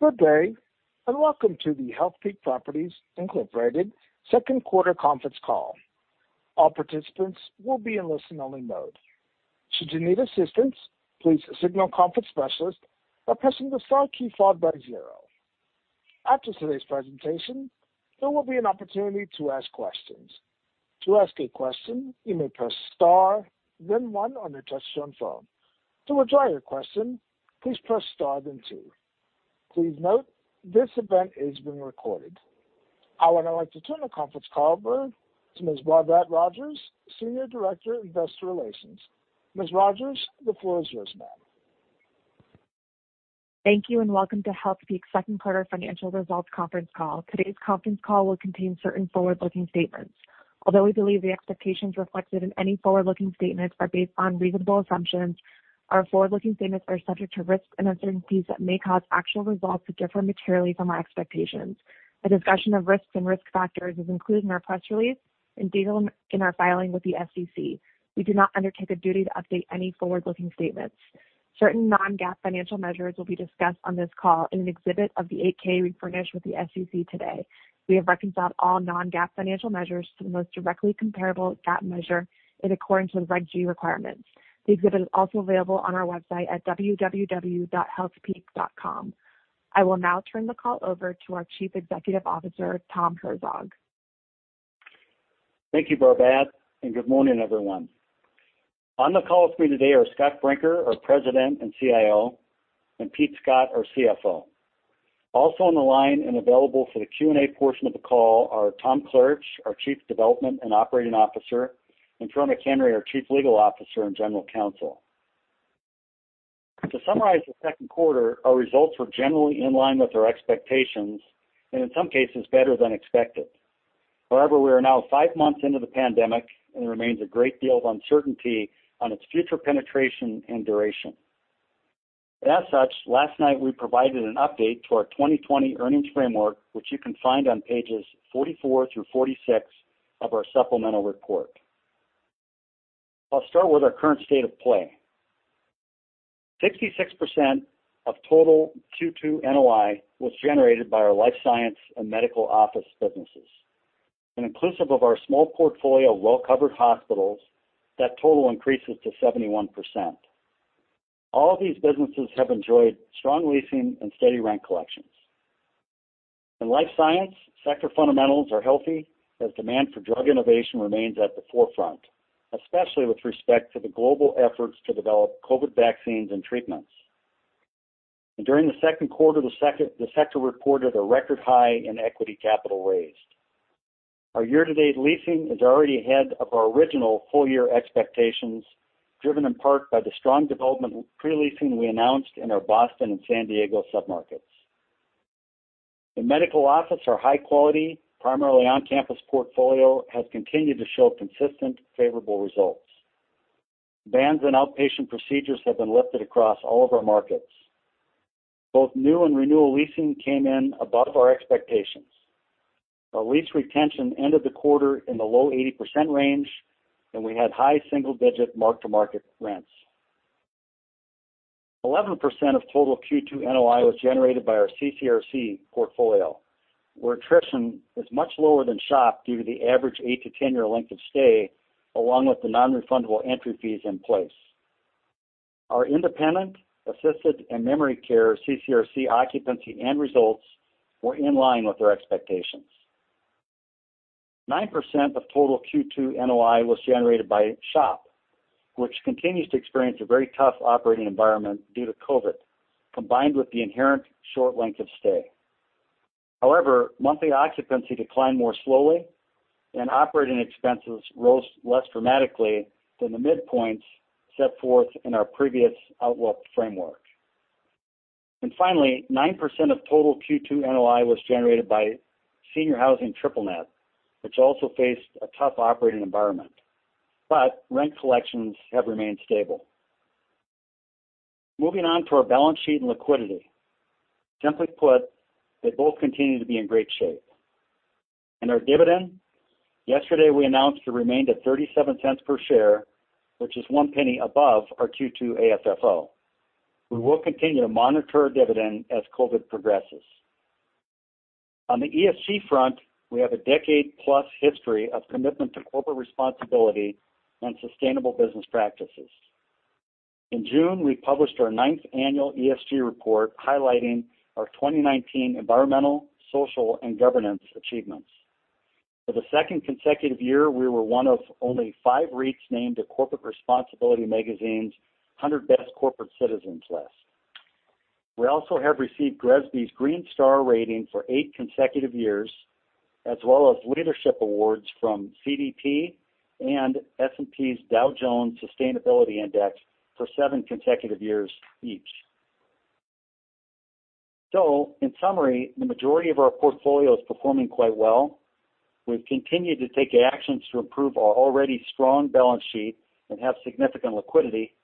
Good day. Welcome to the Healthpeak Properties Incorporated Q2 conference call. All participants will be in listen only mode. Should you need assistance, please signal a conference specialist by pressing the star key followed by zero. After today's presentation, there will be an opportunity to ask questions. To ask a question, you may press star, then one on your touch-tone phone. To withdraw your question, please press star, then two. Please note, this event is being recorded. I would now like to turn the conference call over to Ms. Barbat Rodgers, Senior Director of Investor Relations. Ms. Rodgers, the floor is yours, ma'am. Thank you, and welcome to Healthpeak's Q2 financial results conference call. Today's conference call will contain certain forward-looking statements. Although we believe the expectations reflected in any forward-looking statements are based on reasonable assumptions, our forward-looking statements are subject to risks and uncertainties that may cause actual results to differ materially from our expectations. A discussion of risks and risk factors is included in our press release and detailed in our filing with the SEC. We do not undertake a duty to update any forward-looking statements. Certain non-GAAP financial measures will be discussed on this call in an exhibit of the 8-K we furnished with the SEC today. We have reconciled all non-GAAP financial measures to the most directly comparable GAAP measure in accordance with Regulation G requirements. The exhibit is also available on our website at www.healthpeak.com. I will now turn the call over to our Chief Executive Officer, Tom Herzog. Thank you, Barbat, and good morning, everyone. On the call with me today are Scott Brinker, our President and CIO, and Peter Scott, our CFO. Also on the line and available for the Q&A portion of the call are Tom Klaritch, our Chief Development and Operating Officer, and Troy McHenry, our Chief Legal Officer and General Counsel. To summarize the Q2, our results were generally in line with our expectations, and in some cases, better than expected. However, we are now five months into the pandemic, and there remains a great deal of uncertainty on its future penetration and duration. As such, last night we provided an update to our 2020 earnings framework, which you can find on pages 44 through 46 of our supplemental report. I'll start with our current state of play. 66% of total Q2 NOI was generated by our life science and medical office businesses. Inclusive of our small portfolio of well-covered hospitals, that total increases to 71%. All these businesses have enjoyed strong leasing and steady rent collections. In Life Science, sector fundamentals are healthy as demand for drug innovation remains at the forefront, especially with respect to the global efforts to develop COVID vaccines and treatments. During the Q2, the sector reported a record high in equity capital raised. Our year-to-date leasing is already ahead of our original full-year expectations, driven in part by the strong development pre-leasing we announced in our Boston and San Diego sub-markets. In Medical Office, our high quality, primarily on-campus portfolio has continued to show consistent favorable results. Bans on outpatient procedures have been lifted across all of our markets. Both new and renewal leasing came in above our expectations. Our lease retention ended the quarter in the low 80% range, and we had high single-digit mark-to-market rents. 11% of total Q2 NOI was generated by our CCRC portfolio, where attrition is much lower than SHOP due to the average eight to 10-year length of stay, along with the non-refundable entry fees in place. Our independent, assisted, and memory care CCRC occupancy end results were in line with our expectations. 9% of total Q2 NOI was generated by SHOP, which continues to experience a very tough operating environment due to COVID, combined with the inherent short length of stay. However, monthly occupancy declined more slowly, and operating expenses rose less dramatically than the midpoints set forth in our previous outlook framework. Finally, 9% of total Q2 NOI was generated by senior housing triple net, which also faced a tough operating environment. Rent collections have remained stable. Moving on to our balance sheet and liquidity. Simply put, they both continue to be in great shape. Our dividend, yesterday we announced it remained at $0.37 per share, which is $0.01 above our Q2 AFFO. We will continue to monitor our dividend as COVID progresses. On the ESG front, we have a decade plus history of commitment to corporate responsibility and sustainable business practices. In June, we published our ninth annual ESG report highlighting our 2019 environmental, social, and governance achievements. For the second consecutive year, we were one of only five REITs named to Corporate Responsibility Magazine's 100 Best Corporate Citizens list. We also have received GRESB's Green Star rating for eight consecutive years, as well as leadership awards from CDP and S&P's Dow Jones Sustainability Index for seven consecutive years each. In summary, the majority of our portfolio is performing quite well. We've continued to take actions to improve our already strong balance sheet and have significant liquidity.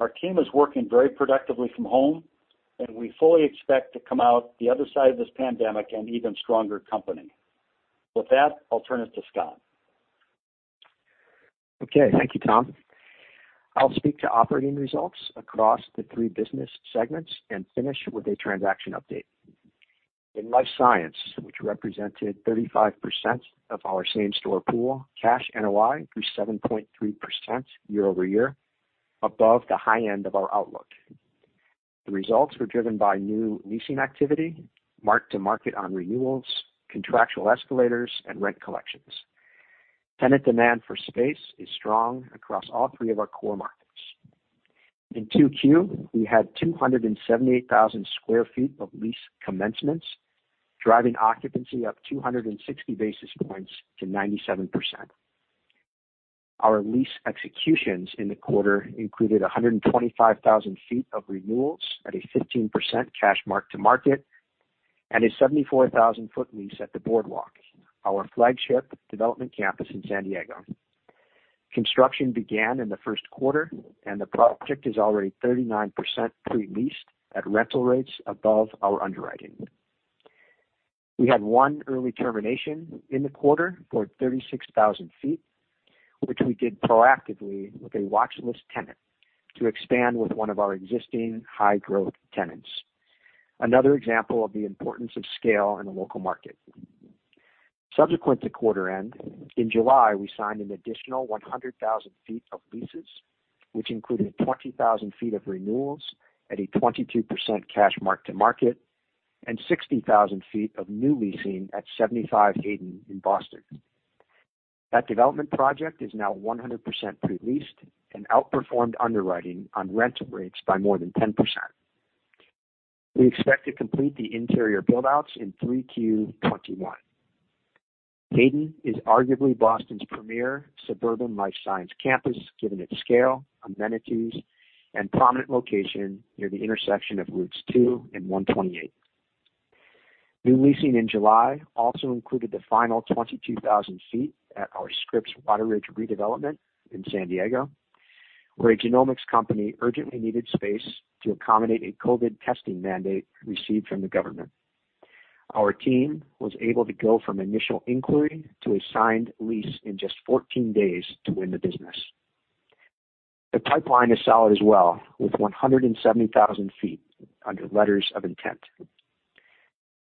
Our team is working very productively from home, and we fully expect to come out the other side of this pandemic an even stronger company. With that, I'll turn it to Scott. Okay. Thank you, Tom. I'll speak to operating results across the three business segments and finish with a transaction update. In life science, which represented 35% of our same-store pool, cash NOI grew 7.3% year-over-year, above the high end of our outlook. The results were driven by new leasing activity, mark-to-market on renewals, contractual escalators, and rent collections. Tenant demand for space is strong across all three of our core markets. In 2Q, we had 278,000 sq ft of lease commencements, driving occupancy up 260 basis points to 97%. Our lease executions in the quarter included 125,000 sq ft of renewals at a 15% cash mark-to-market and a 74,000 sq ft lease at The Boardwalk, our flagship development campus in San Diego. Construction began in the Q1. The project is already 39% pre-leased at rental rates above our underwriting. We had one early termination in the quarter for 36,000 ft, which we did proactively with a watch list tenant to expand with one of our existing high-growth tenants. Another example of the importance of scale in the local market. Subsequent to quarter end, in July, we signed an additional 100,000 ft of leases, which included 20,000 ft of renewals at a 22% cash mark-to-market and 60,000 ft of new leasing at 75 Hayden in Boston. That development project is now 100% pre-leased and outperformed underwriting on rental rates by more than 10%. We expect to complete the interior build-outs in 3Q 2021. Hayden is arguably Boston's premier suburban life science campus, given its scale, amenities, and prominent location near the intersection of Routes two and 128. New leasing in July also included the final 22,000 sq ft at our Scripps Wateridge redevelopment in San Diego, where a genomics company urgently needed space to accommodate a COVID testing mandate received from the government. Our team was able to go from initial inquiry to a signed lease in just 14 days to win the business. The pipeline is solid as well, with 170,000 sq ft under letters of intent.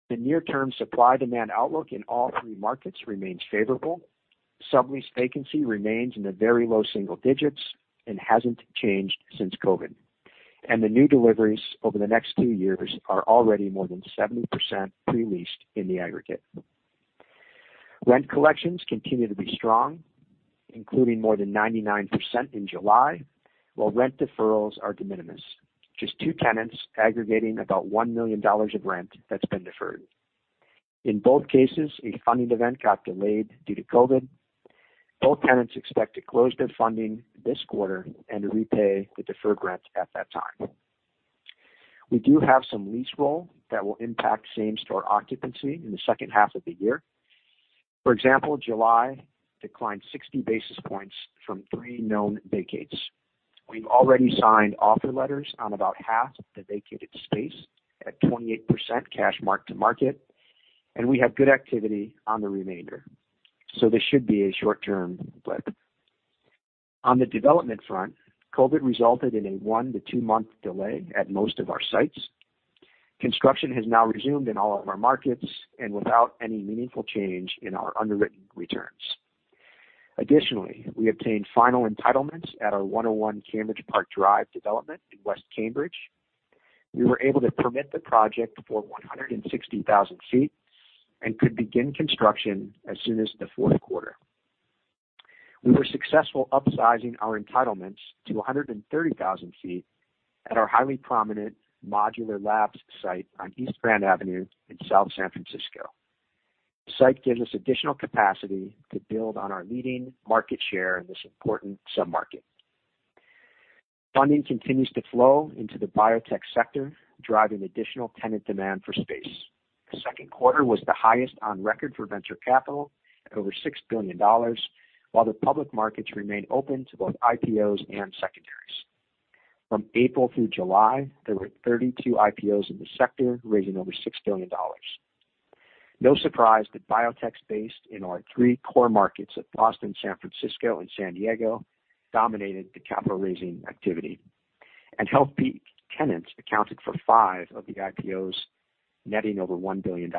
The near-term supply-demand outlook in all three markets remains favorable. Sublease vacancy remains in the very low single digits and hasn't changed since COVID. The new deliveries over the next two years are already more than 70% pre-leased in the aggregate. Rent collections continue to be strong, including more than 99% in July, while rent deferrals are de minimis. Just two tenants aggregating about $1 million of rent that's been deferred. In both cases, a funding event got delayed due to COVID. Both tenants expect to close their funding this quarter and repay the deferred rent at that time. We do have some lease roll that will impact same store occupancy in the second half of the year. For example, July declined 60 basis points from three known vacates. We've already signed offer letters on about half the vacated space at 28% cash mark-to-market, and we have good activity on the remainder. This should be a short-term blip. On the development front, COVID resulted in a one to two-month delay at most of our sites. Construction has now resumed in all of our markets and without any meaningful change in our underwritten returns. Additionally, we obtained final entitlements at our 101 Cambridge Park Drive development in West Cambridge. We were able to permit the project for 160,000 ft and could begin construction as soon as the Q4. We were successful upsizing our entitlements to 130,000 ft at our highly prominent Modular Labs site on East Grand Avenue in South San Francisco. The site gives us additional capacity to build on our leading market share in this important sub-market. Funding continues to flow into the biotech sector, driving additional tenant demand for space. The Q2 was the highest on record for venture capital at over $6 billion, while the public markets remain open to both IPOs and secondaries. From April through July, there were 32 IPOs in the sector, raising over $6 billion. No surprise that biotechs based in our three core markets of Boston, San Francisco, and San Diego dominated the capital raising activity, and Healthpeak tenants accounted for five of the IPOs, netting over $1 billion.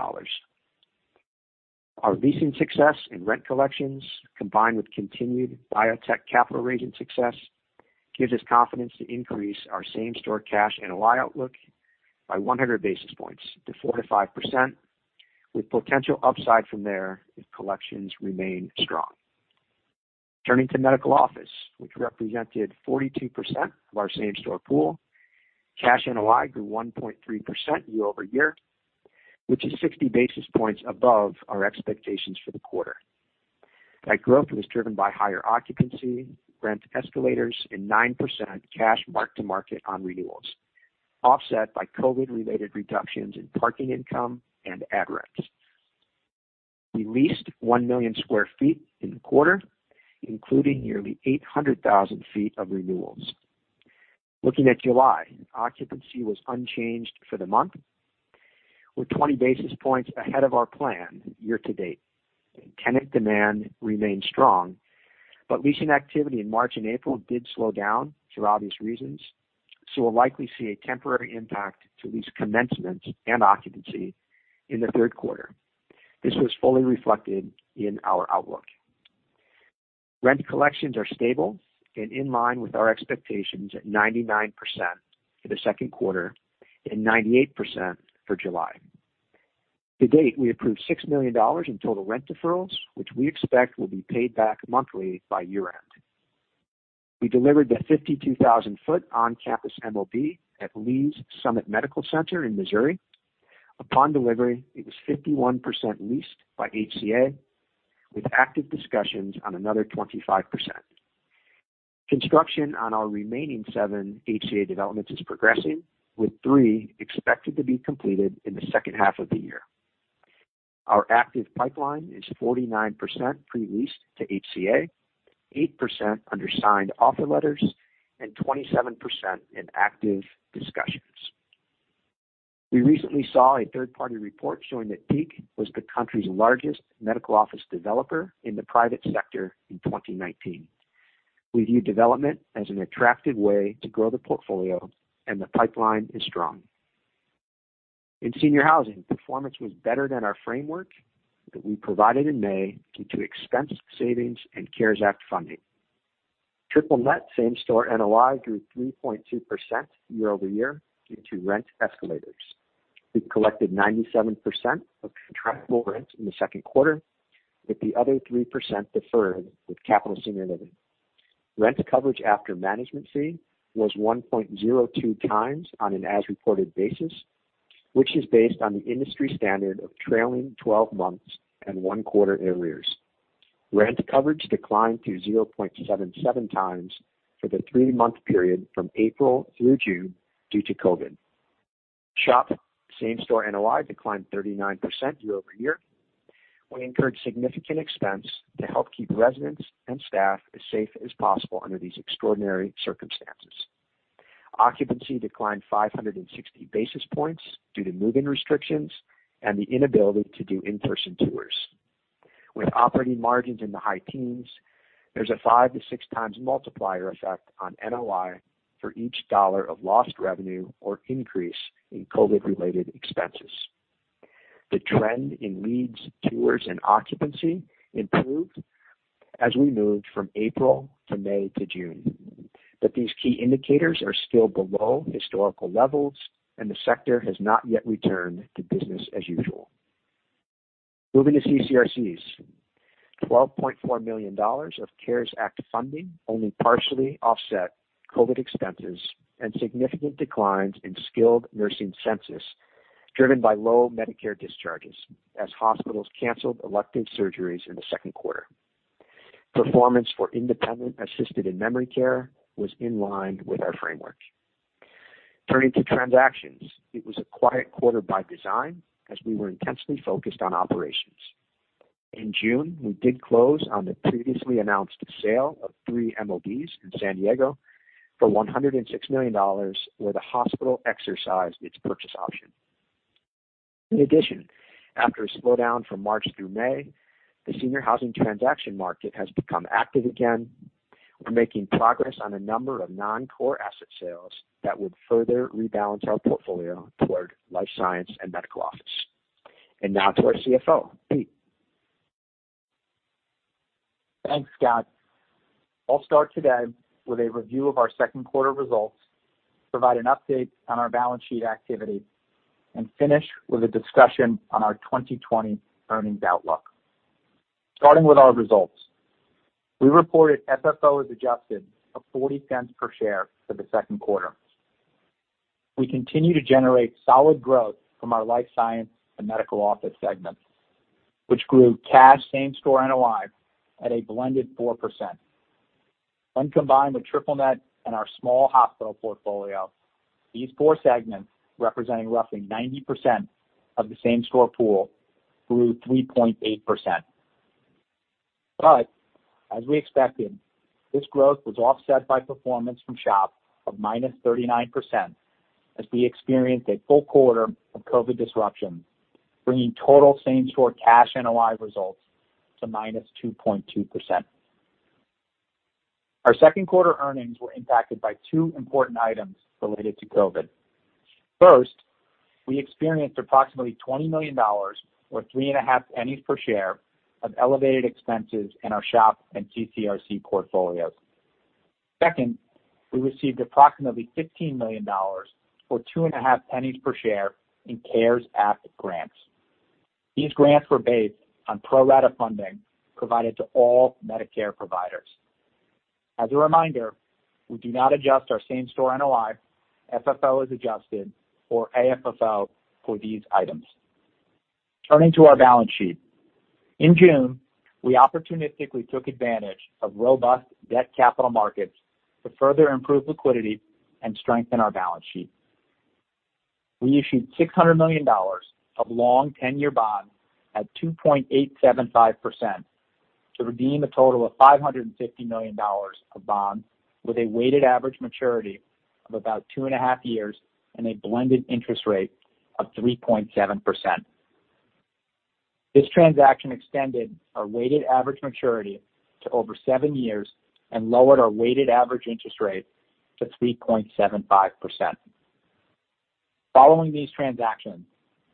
Our leasing success and rent collections, combined with continued biotech capital raising success, gives us confidence to increase our same store cash NOI outlook by 100 basis points to 4%-5%, with potential upside from there if collections remain strong. Turning to medical office, which represented 42% of our same store pool, cash NOI grew 1.3% year-over-year, which is 60 basis points above our expectations for the quarter. That growth was driven by higher occupancy, rent escalators, and 9% cash mark-to-market on renewals, offset by COVID-related reductions in parking income and ad rent. We leased 1 million sq ft in the quarter, including nearly 800,000 sq ft of renewals. Looking at July, occupancy was unchanged for the month. We're 20 basis points ahead of our plan year to date. Tenant demand remains strong, leasing activity in March and April did slow down for obvious reasons, we'll likely see a temporary impact to lease commencements and occupancy in the Q3. This was fully reflected in our outlook. Rent collections are stable and in line with our expectations at 99% for the Q2 and 98% for July. To date, we approved $6 million in total rent deferrals, which we expect will be paid back monthly by year-end. We delivered the 52,000-ft on-campus MOB at Lee's Summit Medical Center in Missouri. Upon delivery, it was 51% leased by HCA, with active discussions on another 25%. Construction on our remaining seven HCA developments is progressing, with three expected to be completed in the second half of the year. Our active pipeline is 49% pre-leased to HCA, 8% under signed offer letters, and 27% in active discussions. We recently saw a third-party report showing that PEAK was the country's largest medical office developer in the private sector in 2019. We view development as an attractive way to grow the portfolio. The pipeline is strong. In senior housing, performance was better than our framework that we provided in May due to expense savings and CARES Act funding. Triple net same-store NOI grew 3.2% year-over-year due to rent escalators. We collected 97% of contractable rents in the Q2, with the other 3% deferred with Capital Senior Living. Rent coverage after management fee was 1.02x on an as-reported basis, which is based on the industry standard of trailing 11 months and one quarter arrears. Rent coverage declined to 0.77x for the three-month period from April through June due to COVID. SHOP same-store NOI declined 39% year-over-year. We incurred significant expense to help keep residents and staff as safe as possible under these extraordinary circumstances. Occupancy declined 560 basis points due to move-in restrictions and the inability to do in-person tours. With operating margins in the high teens, there's a five to 6x multiplier effect on NOI for each $1 of lost revenue or increase in COVID-related expenses. The trend in leads, tours, and occupancy improved as we moved from April to May to June. These key indicators are still below historical levels, and the sector has not yet returned to business as usual. Moving to CCRCs. $12.4 million of CARES Act funding only partially offset COVID expenses and significant declines in skilled nursing census, driven by low Medicare discharges as hospitals canceled elective surgeries in the Q2. Performance for independent, assisted, and memory care was in line with our framework. Turning to transactions, it was a quiet quarter by design as we were intensely focused on operations. In June, we did close on the previously announced sale of three MOBs in San Diego for $106 million, where the hospital exercised its purchase option. In addition, after a slowdown from March through May, the senior housing transaction market has become active again. We're making progress on a number of non-core asset sales that would further rebalance our portfolio toward life science and medical office. Now to our CFO, Peter. Thanks, Scott. I'll start today with a review of our Q2 results, provide an update on our balance sheet activity, and finish with a discussion on our 2020 earnings outlook. Starting with our results. We reported FFO as adjusted of $0.40 per share for the Q2. We continue to generate solid growth from our life science and medical office segments, which grew cash same store NOI at a blended 4%. When combined with triple net and our small hospital portfolio, these four segments, representing roughly 90% of the same-store pool, grew 3.8%. As we expected, this growth was offset by performance from SHOP of -39% as we experienced a full quarter of COVID disruption, bringing total same-store cash NOI results to -2.2%. Our Q2 earnings were impacted by two important items related to COVID. First, we experienced approximately $20 million, or $0.035 per share, of elevated expenses in our SHOP and CCRC portfolios. Second, we received approximately $15 million, or $0.025 per share, in CARES Act grants. These grants were based on pro-rata funding provided to all Medicare providers. As a reminder, we do not adjust our same-store NOI, FFO As Adjusted or AFFO for these items. Turning to our balance sheet. In June, we opportunistically took advantage of robust debt capital markets to further improve liquidity and strengthen our balance sheet. We issued $600 million of long 10-year bonds at 2.875% to redeem a total of $550 million of bonds with a weighted average maturity of about two and a half years and a blended interest rate of 3.7%. This transaction extended our weighted average maturity to over seven years and lowered our weighted average interest rate to 3.75%. Following these transactions,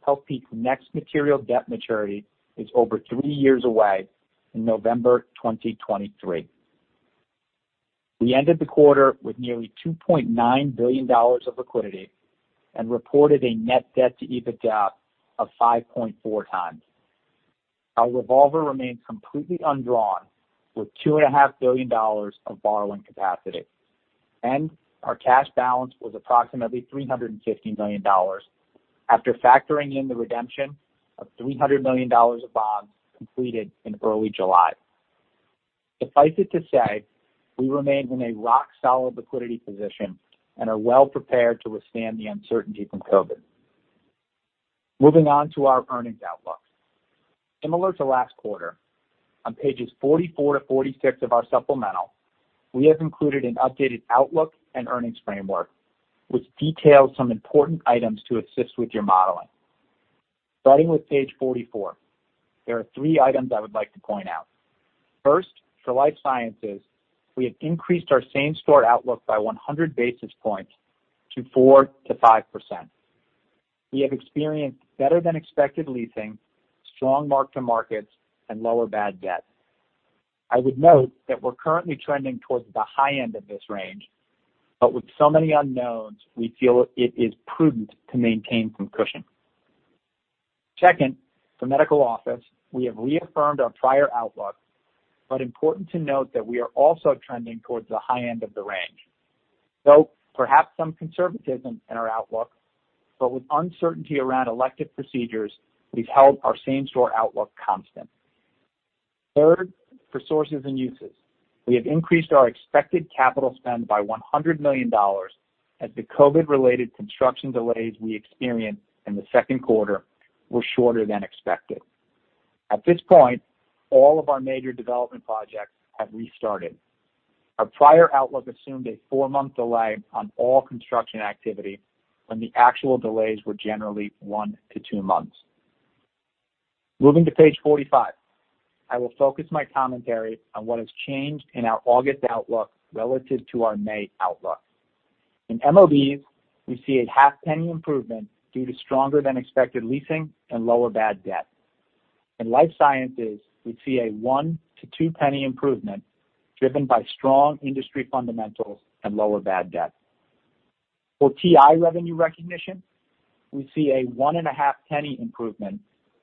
Healthpeak's next material debt maturity is over three years away in November 2023. We ended the quarter with nearly $2.9 billion of liquidity and reported a net debt to EBITDA of 5.4x. Our revolver remains completely undrawn, with $2.5 billion of borrowing capacity. Our cash balance was approximately $350 million after factoring in the redemption of $300 million of bonds completed in early July. Suffice it to say, we remain in a rock-solid liquidity position and are well prepared to withstand the uncertainty from COVID. Moving on to our earnings outlook. Similar to last quarter, on pages 44-46 of our supplemental, we have included an updated outlook and earnings framework, which details some important items to assist with your modeling. Starting with page 44, there are three items I would like to point out. First, for life sciences, we have increased our same-store outlook by 100 basis points to 4%-5%. We have experienced better than expected leasing, strong mark-to-markets, and lower bad debt. I would note that we're currently trending towards the high end of this range, but with so many unknowns, we feel it is prudent to maintain some cushion. Second, for medical office, we have reaffirmed our prior outlook, but important to note that we are also trending towards the high end of the range. Perhaps some conservatism in our outlook, but with uncertainty around elective procedures, we've held our same-store outlook constant. Third, for sources and uses, we have increased our expected capital spend by $100 million as the COVID-related construction delays we experienced in the Q2 were shorter than expected. At this point, all of our major development projects have restarted. Our prior outlook assumed a four-month delay on all construction activity when the actual delays were generally one to two months. Moving to page 45, I will focus my commentary on what has changed in our August outlook relative to our May outlook. In MOB, we see a $0.005 improvement due to stronger than expected leasing and lower bad debt. In life sciences, we see a $0.01-$0.02 improvement driven by strong industry fundamentals and lower bad debt. For TI revenue recognition, we see a $0.015 improvement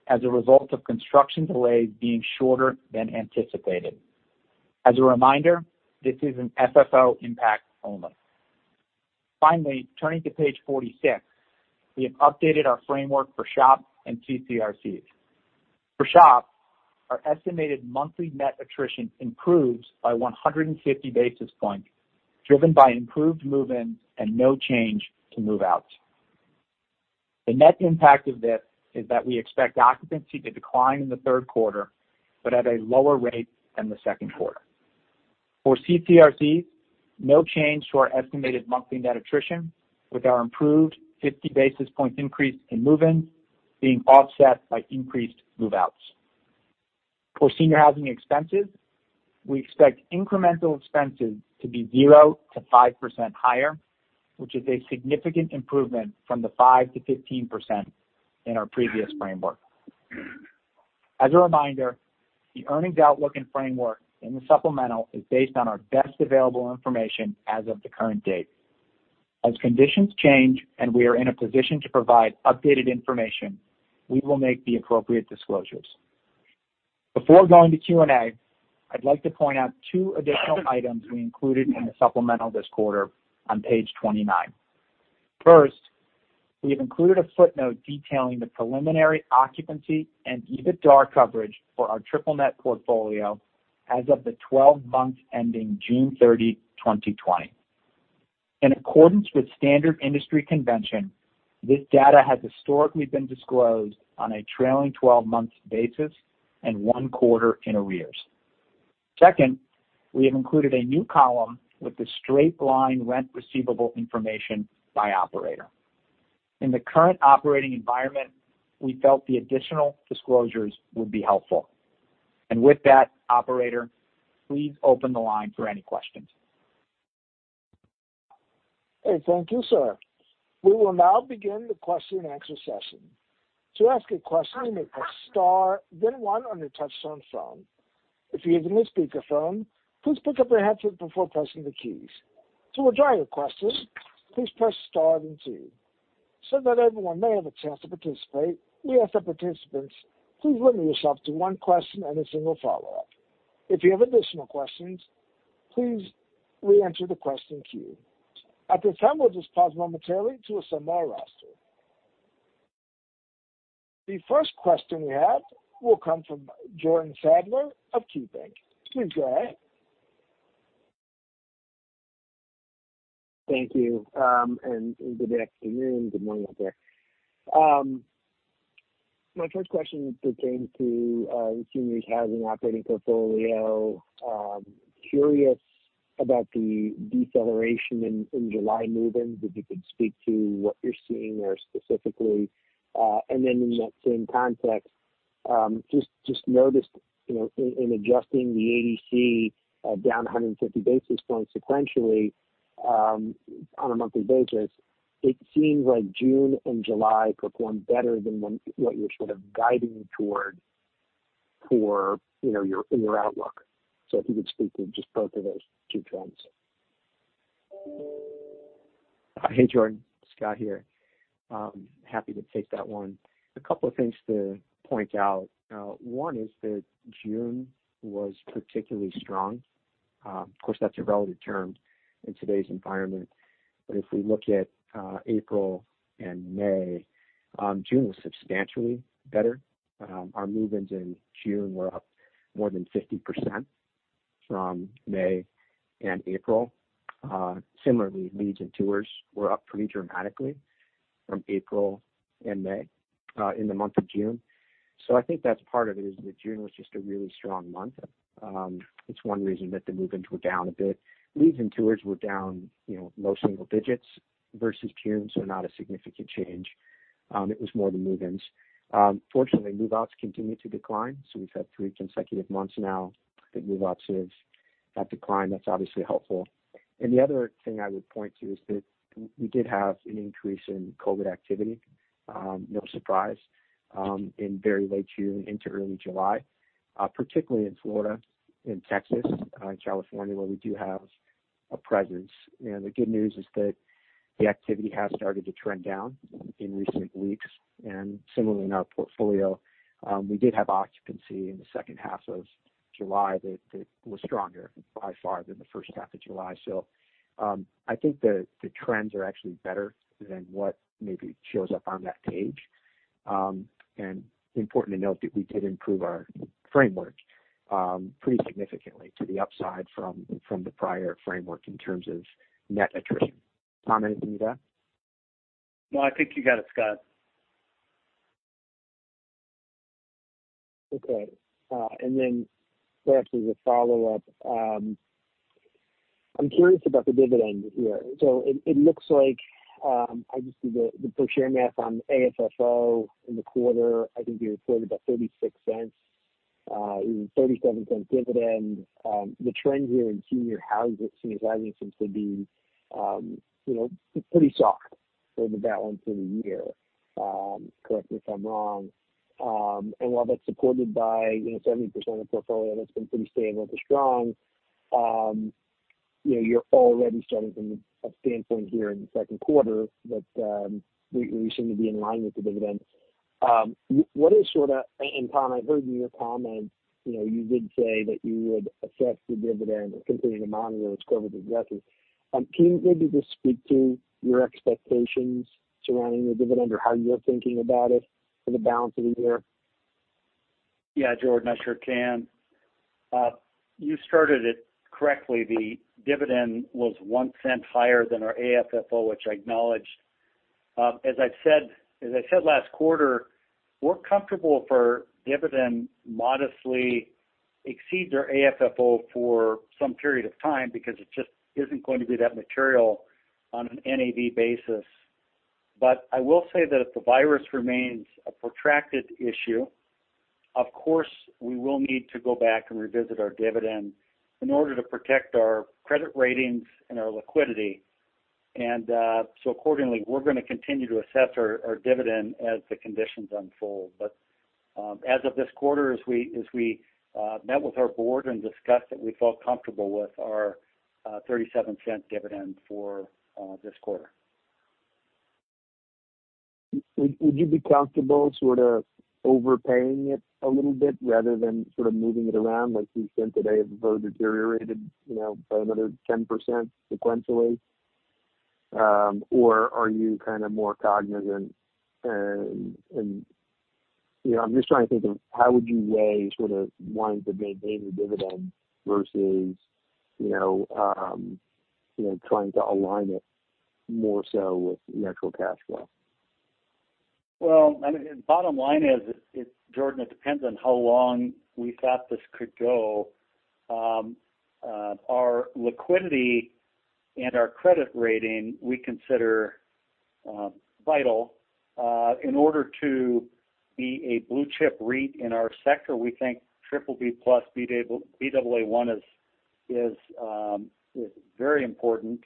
as a result of construction delays being shorter than anticipated. As a reminder, this is an FFO impact only. Finally, turning to page 46, we have updated our framework for SHOP and CCRCs. For SHOP, our estimated monthly net attrition improves by 150 basis points, driven by improved move-ins and no change to move-outs. The net impact of this is that we expect occupancy to decline in the Q3, but at a lower rate than the Q2. For CCRCs, no change to our estimated monthly net attrition, with our improved 50 basis points increase in move-ins being offset by increased move-outs. For senior housing expenses, we expect incremental expenses to be 0%-5% higher, which is a significant improvement from the 5%-15% in our previous framework. As a reminder, the earnings outlook and framework in the supplemental is based on our best available information as of the current date. As conditions change and we are in a position to provide updated information, we will make the appropriate disclosures. Before going to Q&A, I'd like to point out two additional items we included in the supplemental this quarter on page 29. First, we have included a footnote detailing the preliminary occupancy and EBITDA coverage for our triple net portfolio as of the 12 months ending June 30th, 2020. In accordance with standard industry convention, this data has historically been disclosed on a trailing 12 months basis and one quarter in arrears. Second, we have included a new column with the straight-line rent receivable information by operator. In the current operating environment, we felt the additional disclosures would be helpful. With that, operator, please open the line for any questions. Thank you, sir. We will now begin the question and answer session. To ask a question, hit star then one on your touchtone phone. If you are using a speakerphone, please pick up your handset before pressing the keys. To withdraw your question, please press star then two. That everyone may have a chance to participate, we ask that participants please limit yourself to one question and a single follow-up. If you have additional questions, please re-enter the question queue. At this time, we'll just pause momentarily to assemble our roster. The first question we have will come from Jordan Sadler of KeyBanc Capital Markets. Please go ahead. Thank you. Good afternoon, good morning out there. My first question pertains to the senior housing operating portfolio. Curious about the deceleration in July move-ins. If you could speak to what you're seeing there specifically. In that same context, just noticed in adjusting the ADC down 150 basis points sequentially on a monthly basis, it seems like June and July performed better than what you're sort of guiding toward for in your outlook. If you could speak to just both of those two trends. Hey, Jordan. Scott here. Happy to take that one. A couple of things to point out. One is that June was particularly strong. Of course, that's a relative term in today's environment. If we look at April and May, June was substantially better. Our move-ins in June were up more than 50% from May and April. Similarly, leads and tours were up pretty dramatically from April and May in the month of June. I think that's part of it is that June was just a really strong month. It's one reason that the move-ins were down a bit. Leads and tours were down low single digits versus June, so not a significant change. It was more the move-ins. Fortunately, move-outs continue to decline. We've had three consecutive months now that move-outs have declined. That's obviously helpful. The other thing I would point to is that we did have an increase in COVID activity, no surprise, in very late June into early July, particularly in Florida and Texas and California, where we do have a presence. The good news is that the activity has started to trend down in recent weeks. Similarly, in our portfolio, we did have occupancy in the second half of July that was stronger by far than the first half of July. I think the trends are actually better than what maybe shows up on that page. Important to note that we did improve our framework pretty significantly to the upside from the prior framework in terms of net attrition. Tom, anything to that? No, I think you got it, Scott. Okay. Perhaps as a follow-up, I'm curious about the dividend here. It looks like, I just did the per share math on AFFO in the quarter. I think you reported about $0.36, $0.37 dividend. The trend here in senior housing seems to be pretty soft for the balance of the year. Correct me if I'm wrong. While that's supported by 70% of the portfolio that's been pretty stable to strong, you're already starting from a standpoint here in the Q2 that we seem to be in line with the dividend. Tom, I've heard in your comments, you did say that you would assess the dividend and continue to monitor its COVID risk. Can you maybe just speak to your expectations surrounding the dividend or how you're thinking about it for the balance of the year? Yeah. Jordan, I sure can. You started it correctly. The dividend was $0.01 higher than our AFFO, which I acknowledged. As I said last quarter, we're comfortable for dividend modestly exceed our AFFO for some period of time because it just isn't going to be that material on an NAV basis. I will say that if the virus remains a protracted issue, of course, we will need to go back and revisit our dividend in order to protect our credit ratings and our liquidity. Accordingly, we're going to continue to assess our dividend as the conditions unfold. As of this quarter, as we met with our board and discussed it, we felt comfortable with our $0.37 dividend for this quarter. Would you be comfortable sort of overpaying it a little bit rather than sort of moving it around, like you said today, if it further deteriorated by another 10% sequentially? Are you kind of more cognizant? I'm just trying to think of how would you weigh sort of wanting to maintain the dividend versus trying to align it more so with natural cash flow? Well, bottom line is, Jordan, it depends on how long we thought this could go. Our liquidity and our credit rating we consider vital. In order to be a blue-chip REIT in our sector, we think BBB+, Baa1 is very important.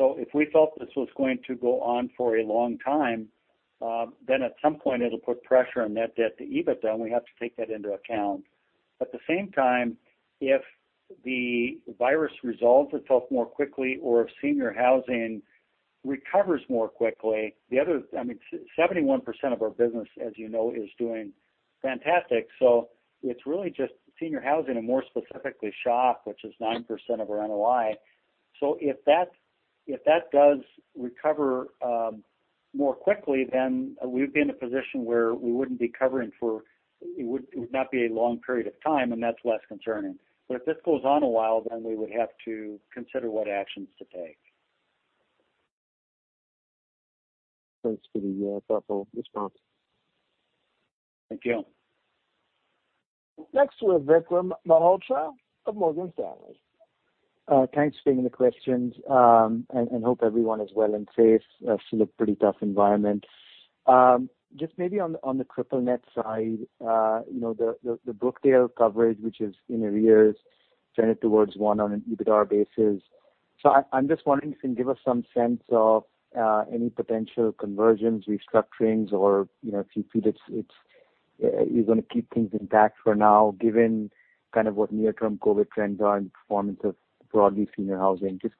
If we felt this was going to go on for a long time, then at some point it'll put pressure on net debt to EBITDA, and we have to take that into account. At the same time, if the virus resolves itself more quickly or if senior housing recovers more quickly, the other, I mean, 71% of our business, as you know, is doing fantastic. It's really just senior housing and more specifically SHOP, which is 9% of our NOI. If that does recover. More quickly, we'd be in a position where we wouldn't be covering. It would not be a long period of time, and that's less concerning. If this goes on a while, we would have to consider what actions to take. Thanks for the thoughtful response. Thank you. Next, we have Vikram Malhotra of Morgan Stanley. Thanks for taking the questions. Hope everyone is well and safe. It's still a pretty tough environment. Just maybe on the triple net side, the Brookdale coverage, which is in arrears, turning towards one on an EBITDA basis. I'm just wondering if you can give us some sense of any potential conversions, Restructurings, or if you feel you're going to keep things intact for now, given kind of what near-term COVID trends are and performance of broadly senior housing. Just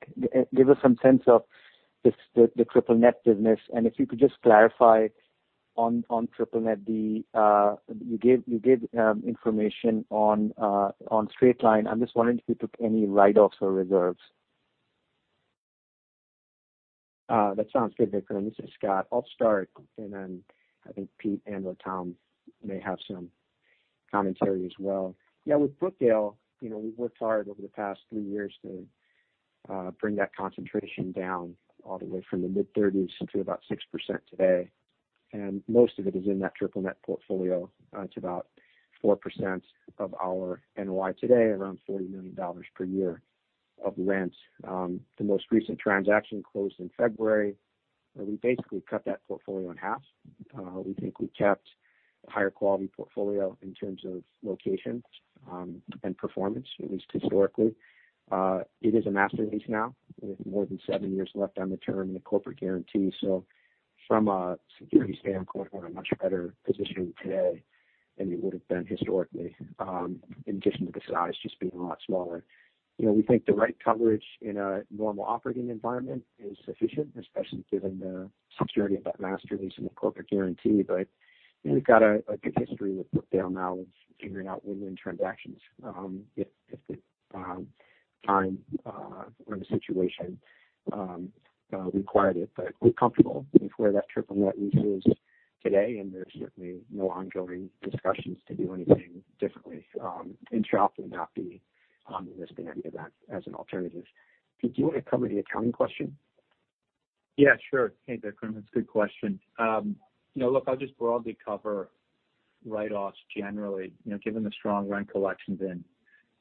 give us some sense of the triple net business. If you could just clarify on triple net, you gave information on straight line. I'm just wondering if you took any write-offs or reserves. That sounds good, Vikram. This is Scott. I'll start, and then I think Peter and/or Tom may have some commentary as well. Yeah, with Brookdale, we've worked hard over the past three years to bring that concentration down all the way from the mid-30s to about 6% today. Most of it is in that triple net portfolio. It's about 4% of our NOI today, around $40 million per year of rent. The most recent transaction closed in February, where we basically cut that portfolio in half. We think we kept a higher quality portfolio in terms of locations and performance, at least historically. It is a master lease now with more than seven years left on the term and a corporate guarantee. From a security standpoint, we're in a much better position today than we would have been historically, in addition to the size just being a lot smaller. We think the right coverage in a normal operating environment is sufficient, especially given the security of that master lease and the corporate guarantee. We've got a good history with Brookdale now of figuring out win-win transactions if the time or the situation required it. We're comfortable with where that triple net lease is today, and there's certainly no ongoing discussions to do anything differently. SHOP would not be on the receiving end of that as an alternative. Peter, do you want to cover the accounting question? Yeah, sure. Hey, Vikram, it's a good question. Look, I'll just broadly cover write-offs generally. Given the strong rent collections in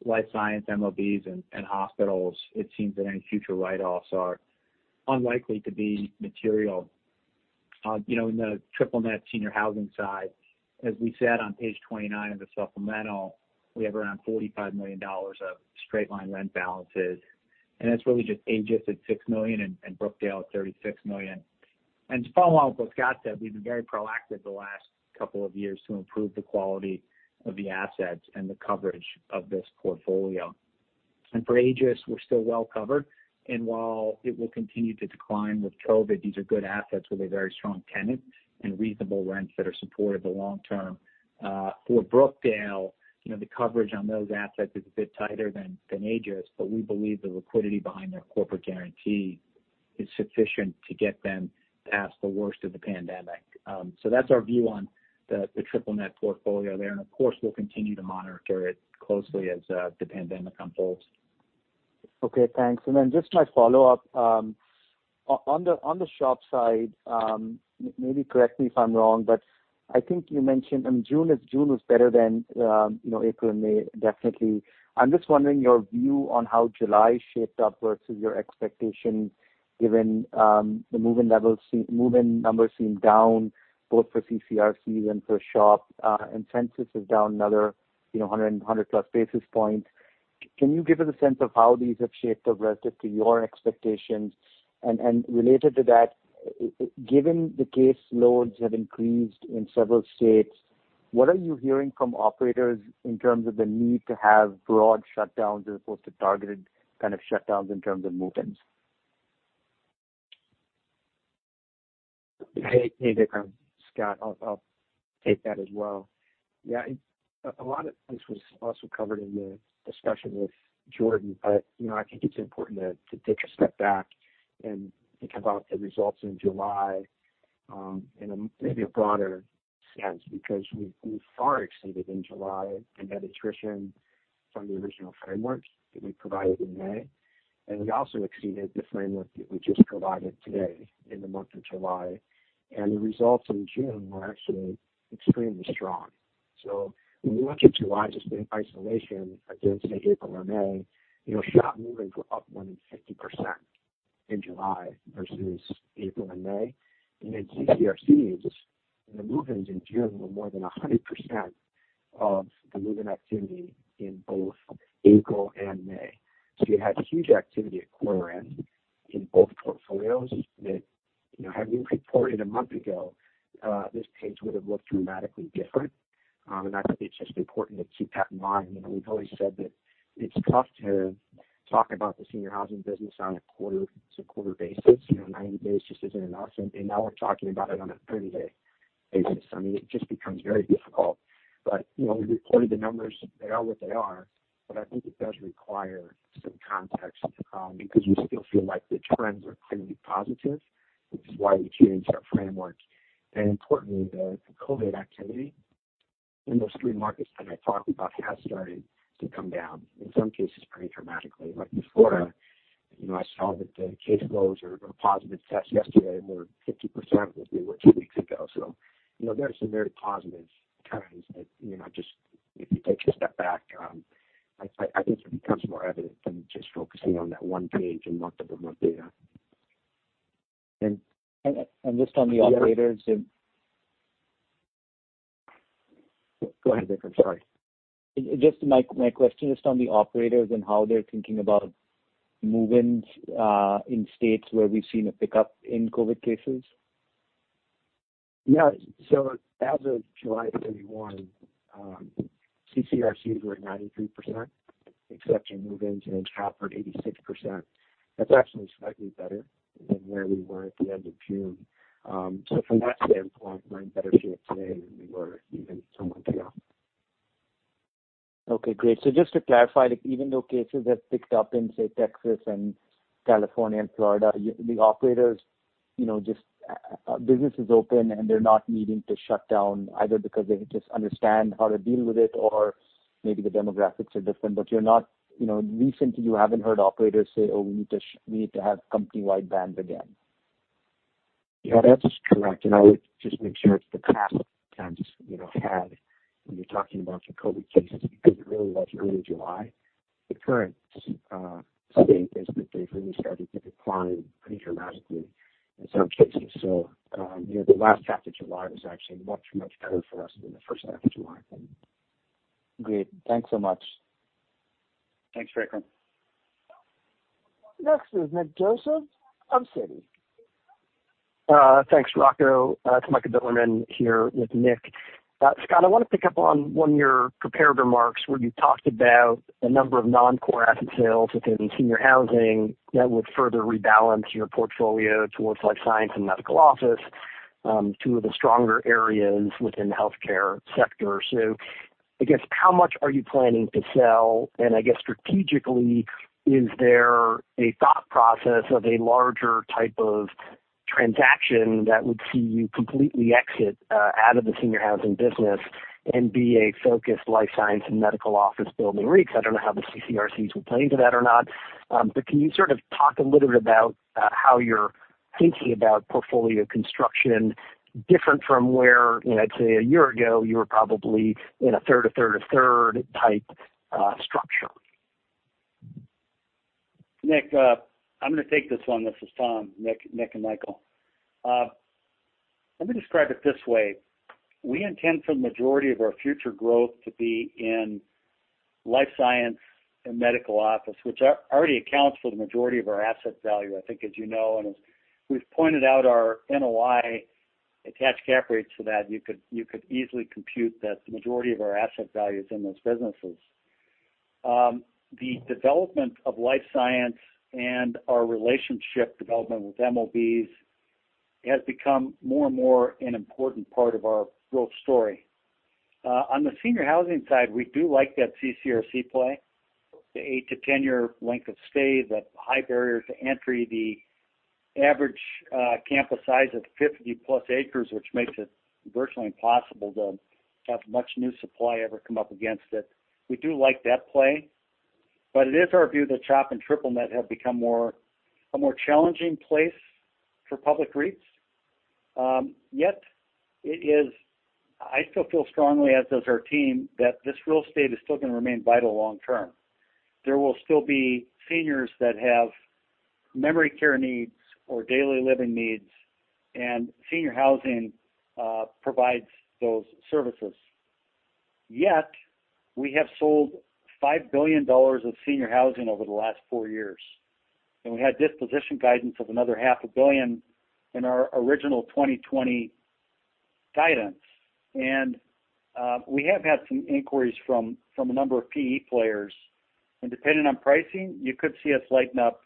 life science MOBs and hospitals, it seems that any future write-offs are unlikely to be material. In the triple net senior housing side, as we said on page 29 of the supplemental, we have around $45 million of straight line rent balances, and that's really just Aegis at $6 million and Brookdale at $36 million. And to follow on what Scott said, we've been very proactive the last couple of years to improve the quality of the assets and the coverage of this portfolio. And for Aegis, we're still well covered. And while it will continue to decline with COVID, these are good assets with a very strong tenant and reasonable rents that are supported the long term. For Brookdale, the coverage on those assets is a bit tighter than Aegis, but we believe the liquidity behind their corporate guarantee is sufficient to get them past the worst of the pandemic. That's our view on the triple net portfolio there. Of course, we'll continue to monitor it closely as the pandemic unfolds. Okay, thanks. Just my follow-up. On the SHOP side, maybe correct me if I'm wrong, I think you mentioned June was better than April and May, definitely. I'm just wondering your view on how July shaped up versus your expectation given the move-in numbers seem down both for CCRCs and for SHOP, census is down another 100+ basis points. Can you give us a sense of how these have shaped up relative to your expectations? Related to that, given the case loads have increased in several states, what are you hearing from operators in terms of the need to have broad shutdowns as opposed to targeted kind of shutdowns in terms of move-ins? Hey, Vikram. Scott, I'll take that as well. Yeah, a lot of this was also covered in the discussion with Jordan, but I think it's important to take a step back and think about the results in July in maybe a broader sense because we far exceeded in July the net attrition from the original framework that we provided in May. We also exceeded the framework that we just provided today in the month of July. The results in June were actually extremely strong. When you look at July just in isolation against, say, April or May, SHOP move-ins were up more than 50% in July versus April and May. In CCRCs, the move-ins in June were more than 100% of the move-in activity in both April and May. You had huge activity at quarter end in both portfolios that had we reported a month ago, this page would have looked dramatically different. I think it's just important to keep that in mind. We've always said that it's tough to talk about the senior housing business on a quarter-to-quarter basis. 90 days just isn't enough. Now we're talking about it on a 30-day basis. It just becomes very difficult. We reported the numbers. They are what they are. I think it does require some context, because we still feel like the trends are pretty positive, which is why we changed our framework. Importantly, the COVID activity in those three markets that I talked about has started to come down, in some cases pretty dramatically. Like in Florida, I saw that the case loads or positive tests yesterday were 50% of where they were two weeks ago. There are some very positive trends that, if you take a step back, I think it becomes more evident than just focusing on that one page and month-over-month data. Just on the operators. Go ahead, Vikram. Sorry. My question is on the operators and how they're thinking about move-ins in states where we've seen a pickup in COVID cases. As of July 31st, CCRCs were at 93%, except in move-ins and in SHOP for at 86%. That's actually slightly better than where we were at the end of June. From that standpoint, we're in better shape today than we were even two months ago. Okay, great. Just to clarify that even though cases have picked up in, say, Texas and California and Florida, the operators, just business is open and they're not needing to shut down either because they just understand how to deal with it, or maybe the demographics are different. Recently you haven't heard operators say, "Oh, we need to have company-wide bans again. Yeah, that's correct. I would just make sure it's the past tense, had, when you're talking about your COVID cases, because it really was early July. The current state is that they've really started to decline pretty dramatically in some cases. The last half of July was actually much, much better for us than the H1 of July. Great. Thanks so much. Thanks, Vikram. Next is Nick Joseph of Citi. Thanks, Rocco. It's Michael Bilerman here with Nick. Scott, I want to pick up on one of your prepared remarks where you talked about a number of non-core asset sales within senior housing that would further rebalance your portfolio towards life science and medical office, two of the stronger areas within the healthcare sector. I guess how much are you planning to sell? I guess strategically, is there a thought process of a larger type of transaction that would see you completely exit out of the senior housing business and be a focused life science and medical office building REIT? I don't know how the CCRCs will play into that or not. Can you sort of talk a little bit about how you're thinking about portfolio construction different from where, let's say, a year ago, you were probably in a third to third to third type structure? Nick, I'm going to take this one. This is Tom, Nick and Michael. Let me describe it this way. We intend for the majority of our future growth to be in life science and medical office, which already accounts for the majority of our asset value, I think as you know. As we've pointed out our NOI attached cap rates for that, you could easily compute that the majority of our asset value is in those businesses. The development of life science and our relationship development with MOBs has become more and more an important part of our growth story. On the senior housing side, we do like that CCRC play, the 8-10 year length of stay, the high barrier to entry, the average campus size of 50+ acres, which makes it virtually impossible to have much new supply ever come up against it. We do like that play. It is our view that SHOP and triple net have become a more challenging place for public REITs. I still feel strongly, as does our team, that this real estate is still going to remain vital long term. There will still be seniors that have memory care needs or daily living needs, and senior housing provides those services. We have sold $5 billion of senior housing over the last four years, and we had disposition guidance of another half a billion in our original 2020 guidance. We have had some inquiries from a number of PE players, and depending on pricing, you could see us lighten up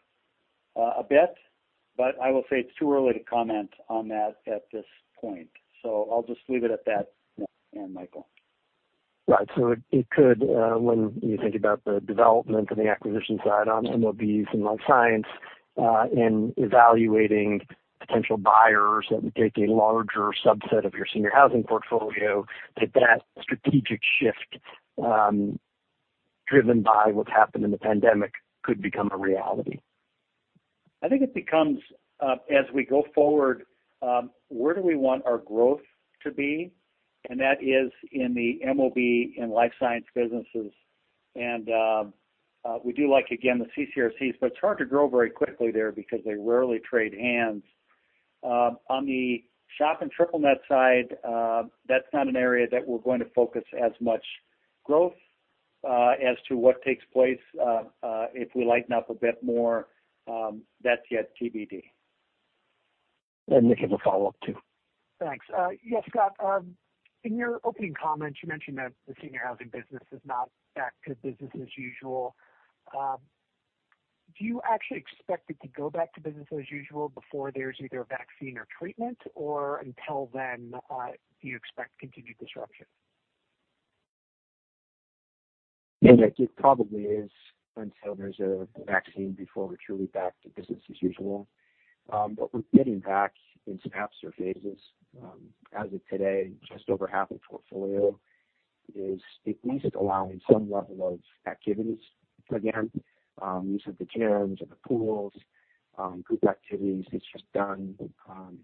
a bit. I will say it's too early to comment on that at this point. I'll just leave it at that, Nick and Michael. Right. It could, when you think about the development and the acquisition side on MOBs and life science, in evaluating potential buyers that would take a larger subset of your senior housing portfolio, that strategic shift driven by what's happened in the pandemic could become a reality. I think it becomes, as we go forward, where do we want our growth to be? That is in the MOB and life science businesses. We do like, again, the CCRCs, but it's hard to grow very quickly there because they rarely trade hands. On the SHOP and triple net side, that's not an area that we're going to focus as much growth. As to what takes place if we lighten up a bit more, that's yet TBD. Nick, have a follow-up too. Thanks. Yes, Scott, in your opening comments, you mentioned that the senior housing business is not back to business as usual. Do you actually expect it to go back to business as usual before there's either a vaccine or treatment, or until then, do you expect continued disruption? Nick, it probably is until there's a vaccine before we're truly back to business as usual. We're getting back in some apps or phases. As of today, just over half the portfolio is at least allowing some level of activities again. Use of the gyms or the pools, group activities, it's just done on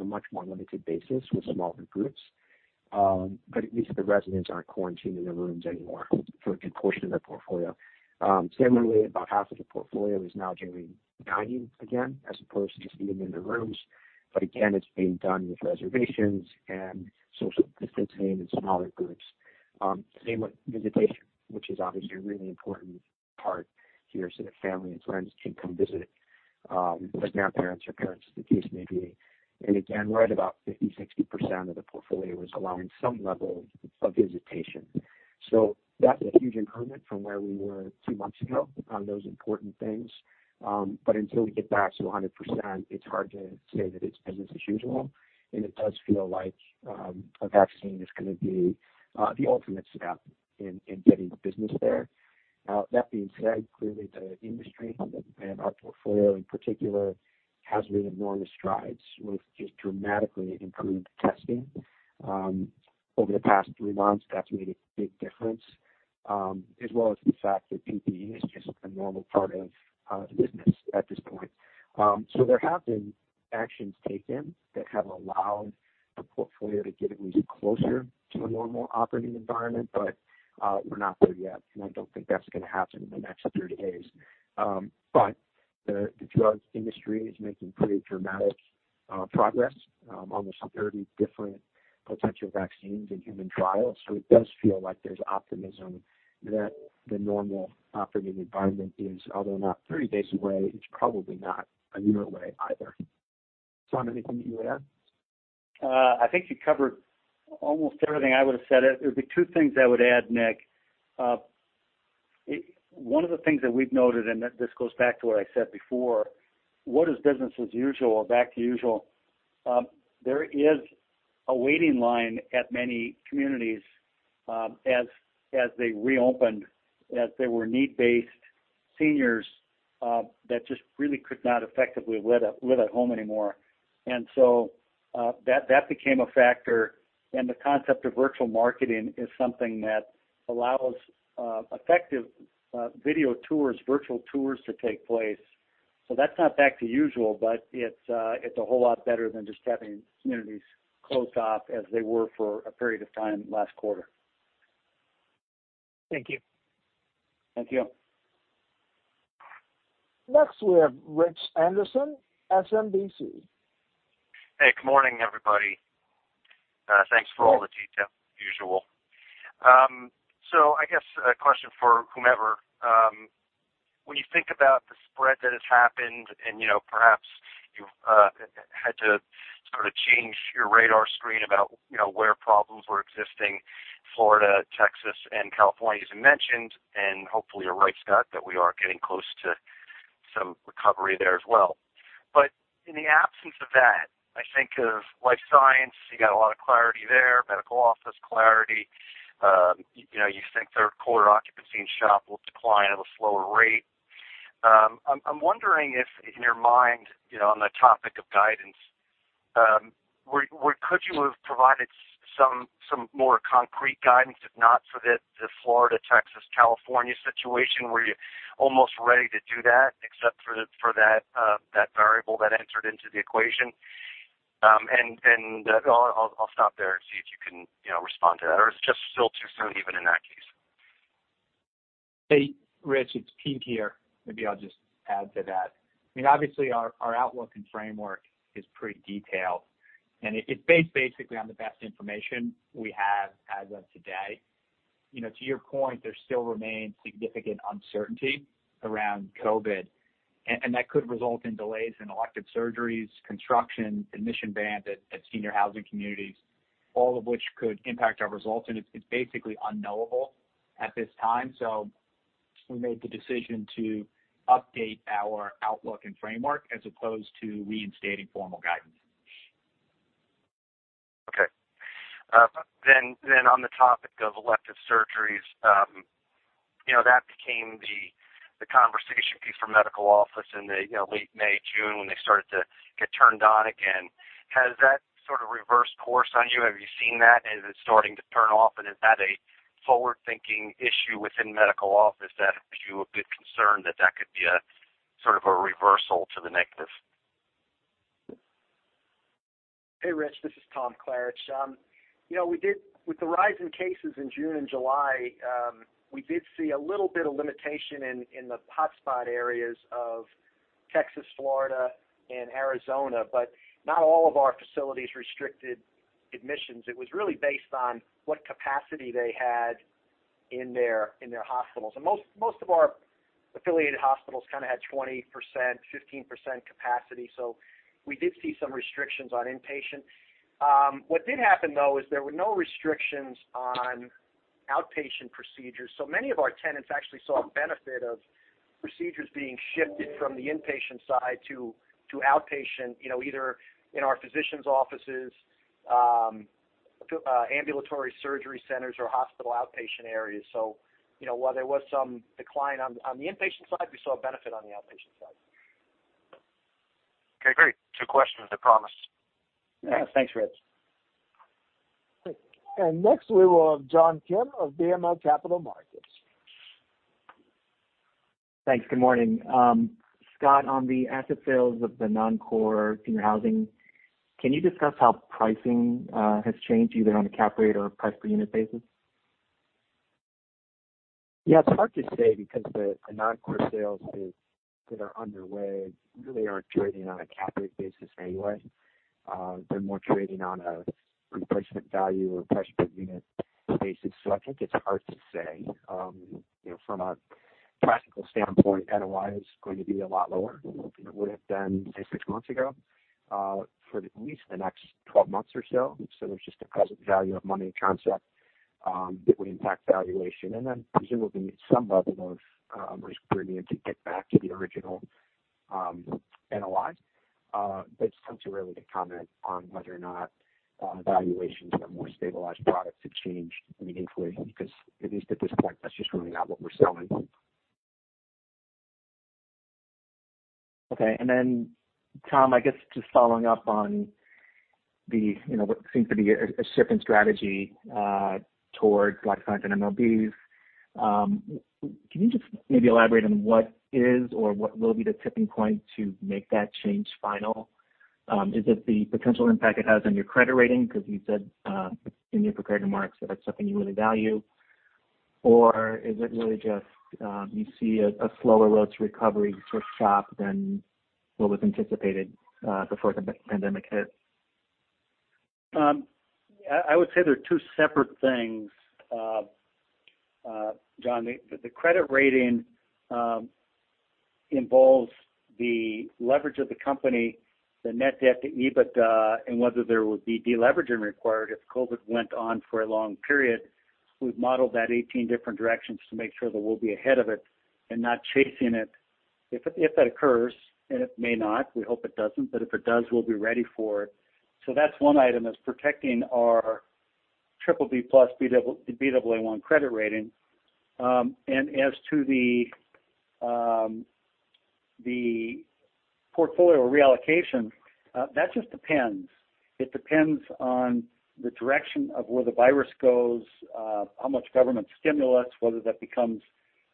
a much more limited basis with smaller groups. At least the residents aren't quarantined in their rooms anymore for a good portion of their portfolio. Similarly, about half of the portfolio is now doing dining again, as opposed to just eating in their rooms. Again, it's being done with reservations and social distancing in smaller groups. Same with visitation, which is obviously a really important part here, so that family and friends can come visit grandparents or parents, as the case may be. Again, we're at about 50%, 60% of the portfolio is allowing some level of visitation. That's a huge improvement from where we were two months ago on those important things. Until we get back to 100%, it's hard to say that it's business as usual, and it does feel like a vaccine is going to be the ultimate step in getting business there. That being said, clearly the industry and our portfolio in particular, has made enormous strides with just dramatically improved testing. Over the past three months, that's made a big difference, as well as the fact that PPE is just a normal part of the business at this point. There have been actions taken that have allowed the portfolio to get at least closer to a normal operating environment. We're not there yet, and I don't think that's going to happen in the next 30 days. The drug industry is making pretty dramatic progress on the some 30 different potential vaccines in human trials. It does feel like there's optimism that the normal operating environment is, although not 30 days away, it's probably not a year away either. Tom, anything that you would add? I think you covered almost everything I would've said. There'd be two things I would add, Nick. One of the things that we've noted, this goes back to what I said before, what is business as usual or back to usual? There is a waiting line at many communities, as they reopened, as there were need-based seniors that just really could not effectively live at home anymore. That became a factor and the concept of virtual marketing is something that allows effective video tours, virtual tours to take place. That's not back to usual, but it's a whole lot better than just having communities closed off as they were for a period of time last quarter. Thank you. Thank you. Next we have Richard Anderson, SMBC. Hey, good morning, everybody. Thanks for all the detail as usual. I guess a question for whomever. When you think about the spread that has happened and perhaps you've had to sort of change your radar screen about where problems were existing, Florida, Texas, and California, as you mentioned, and hopefully you're right, Scott, that we are getting close to some recovery there as well. In the absence of that, I think of life science, you got a lot of clarity there, medical office clarity. You think Q3 occupancy in SHOP will decline at a slower rate. I'm wondering if in your mind, on the topic of guidance, could you have provided some more concrete guidance, if not for the Florida, Texas, California situation? Were you almost ready to do that except for that variable that entered into the equation? I'll stop there and see if you can respond to that, or is it just still too soon even in that case? Hey, Rich, it's Peter here. Maybe I'll just add to that. Obviously, our outlook and framework is pretty detailed. It's based basically on the best information we have as of today. To your point, there still remains significant uncertainty around COVID. That could result in delays in elective surgeries, construction, admission bans at senior housing communities, all of which could impact our results. It's basically unknowable at this time. We made the decision to update our outlook and framework as opposed to reinstating formal guidance. Okay. On the topic of elective surgeries, that became the conversation piece for medical office in the late May, June, when they started to get turned on again. Has that sort of reversed course on you? Have you seen that? Is it starting to turn off, and is that a forward-thinking issue within medical office that has you a bit concerned that that could be sort of a reversal to the negative? Hey, Richard. This is Tom Klaritch. With the rise in cases in June and July, we did see a little bit of limitation in the hotspot areas of Texas, Florida, and Arizona, but not all of our facilities restricted admissions. It was really based on what capacity they had in their hospitals, and most of our affiliated hospitals kind of had 20%, 15% capacity. We did see some restrictions on inpatient. What did happen though, is there were no restrictions on Outpatient procedures. Many of our tenants actually saw a benefit of procedures being shifted from the inpatient side to outpatient, either in our physicians' offices, ambulatory surgery centers, or hospital outpatient areas. While there was some decline on the inpatient side, we saw a benefit on the outpatient side. Okay, great. Two questions, I promise. Yeah. Thanks, Richard. Next we will have John Kim of BMO Capital Markets. Thanks. Good morning. Scott, on the asset sales of the non-core senior housing, can you discuss how pricing has changed either on a cap rate or a price per unit basis? Yeah, it's hard to say because the non-core sales that are underway really aren't trading on a cap rate basis anyway. They're more trading on a replacement value or price per unit basis. I think it's hard to say. From a practical standpoint, NOI is going to be a lot lower than it would have been, say, six months ago, for at least the next 12 months or so. There's just a present value of money concept that would impact valuation, and then presumably some level of risk premium to get back to the original NOI. It's hard to really comment on whether or not valuations for more stabilized products have changed meaningfully because at least at this point, that's just really not what we're selling. Okay. Tom, I guess just following up on what seems to be a shift in strategy towards life science and MOBs. Can you just maybe elaborate on what is or what will be the tipping point to make that change final? Is it the potential impact it has on your credit rating? You said in your prepared remarks that that's something you really value. Is it really just, you see a slower road to recovery for SHOP than what was anticipated before the pandemic hit? I would say they're two separate things, John. The credit rating involves the leverage of the company, the net debt to EBITDA, and whether there would be de-leveraging required if COVID went on for a long period. We've modeled that 18 different directions to make sure that we'll be ahead of it and not chasing it. If that occurs, and it may not, we hope it doesn't, but if it does, we'll be ready for it. That's one item, is protecting our BBB+/Baa1 credit rating. As to the portfolio reallocation, that just depends. It depends on the direction of where the virus goes, how much government stimulus, whether that becomes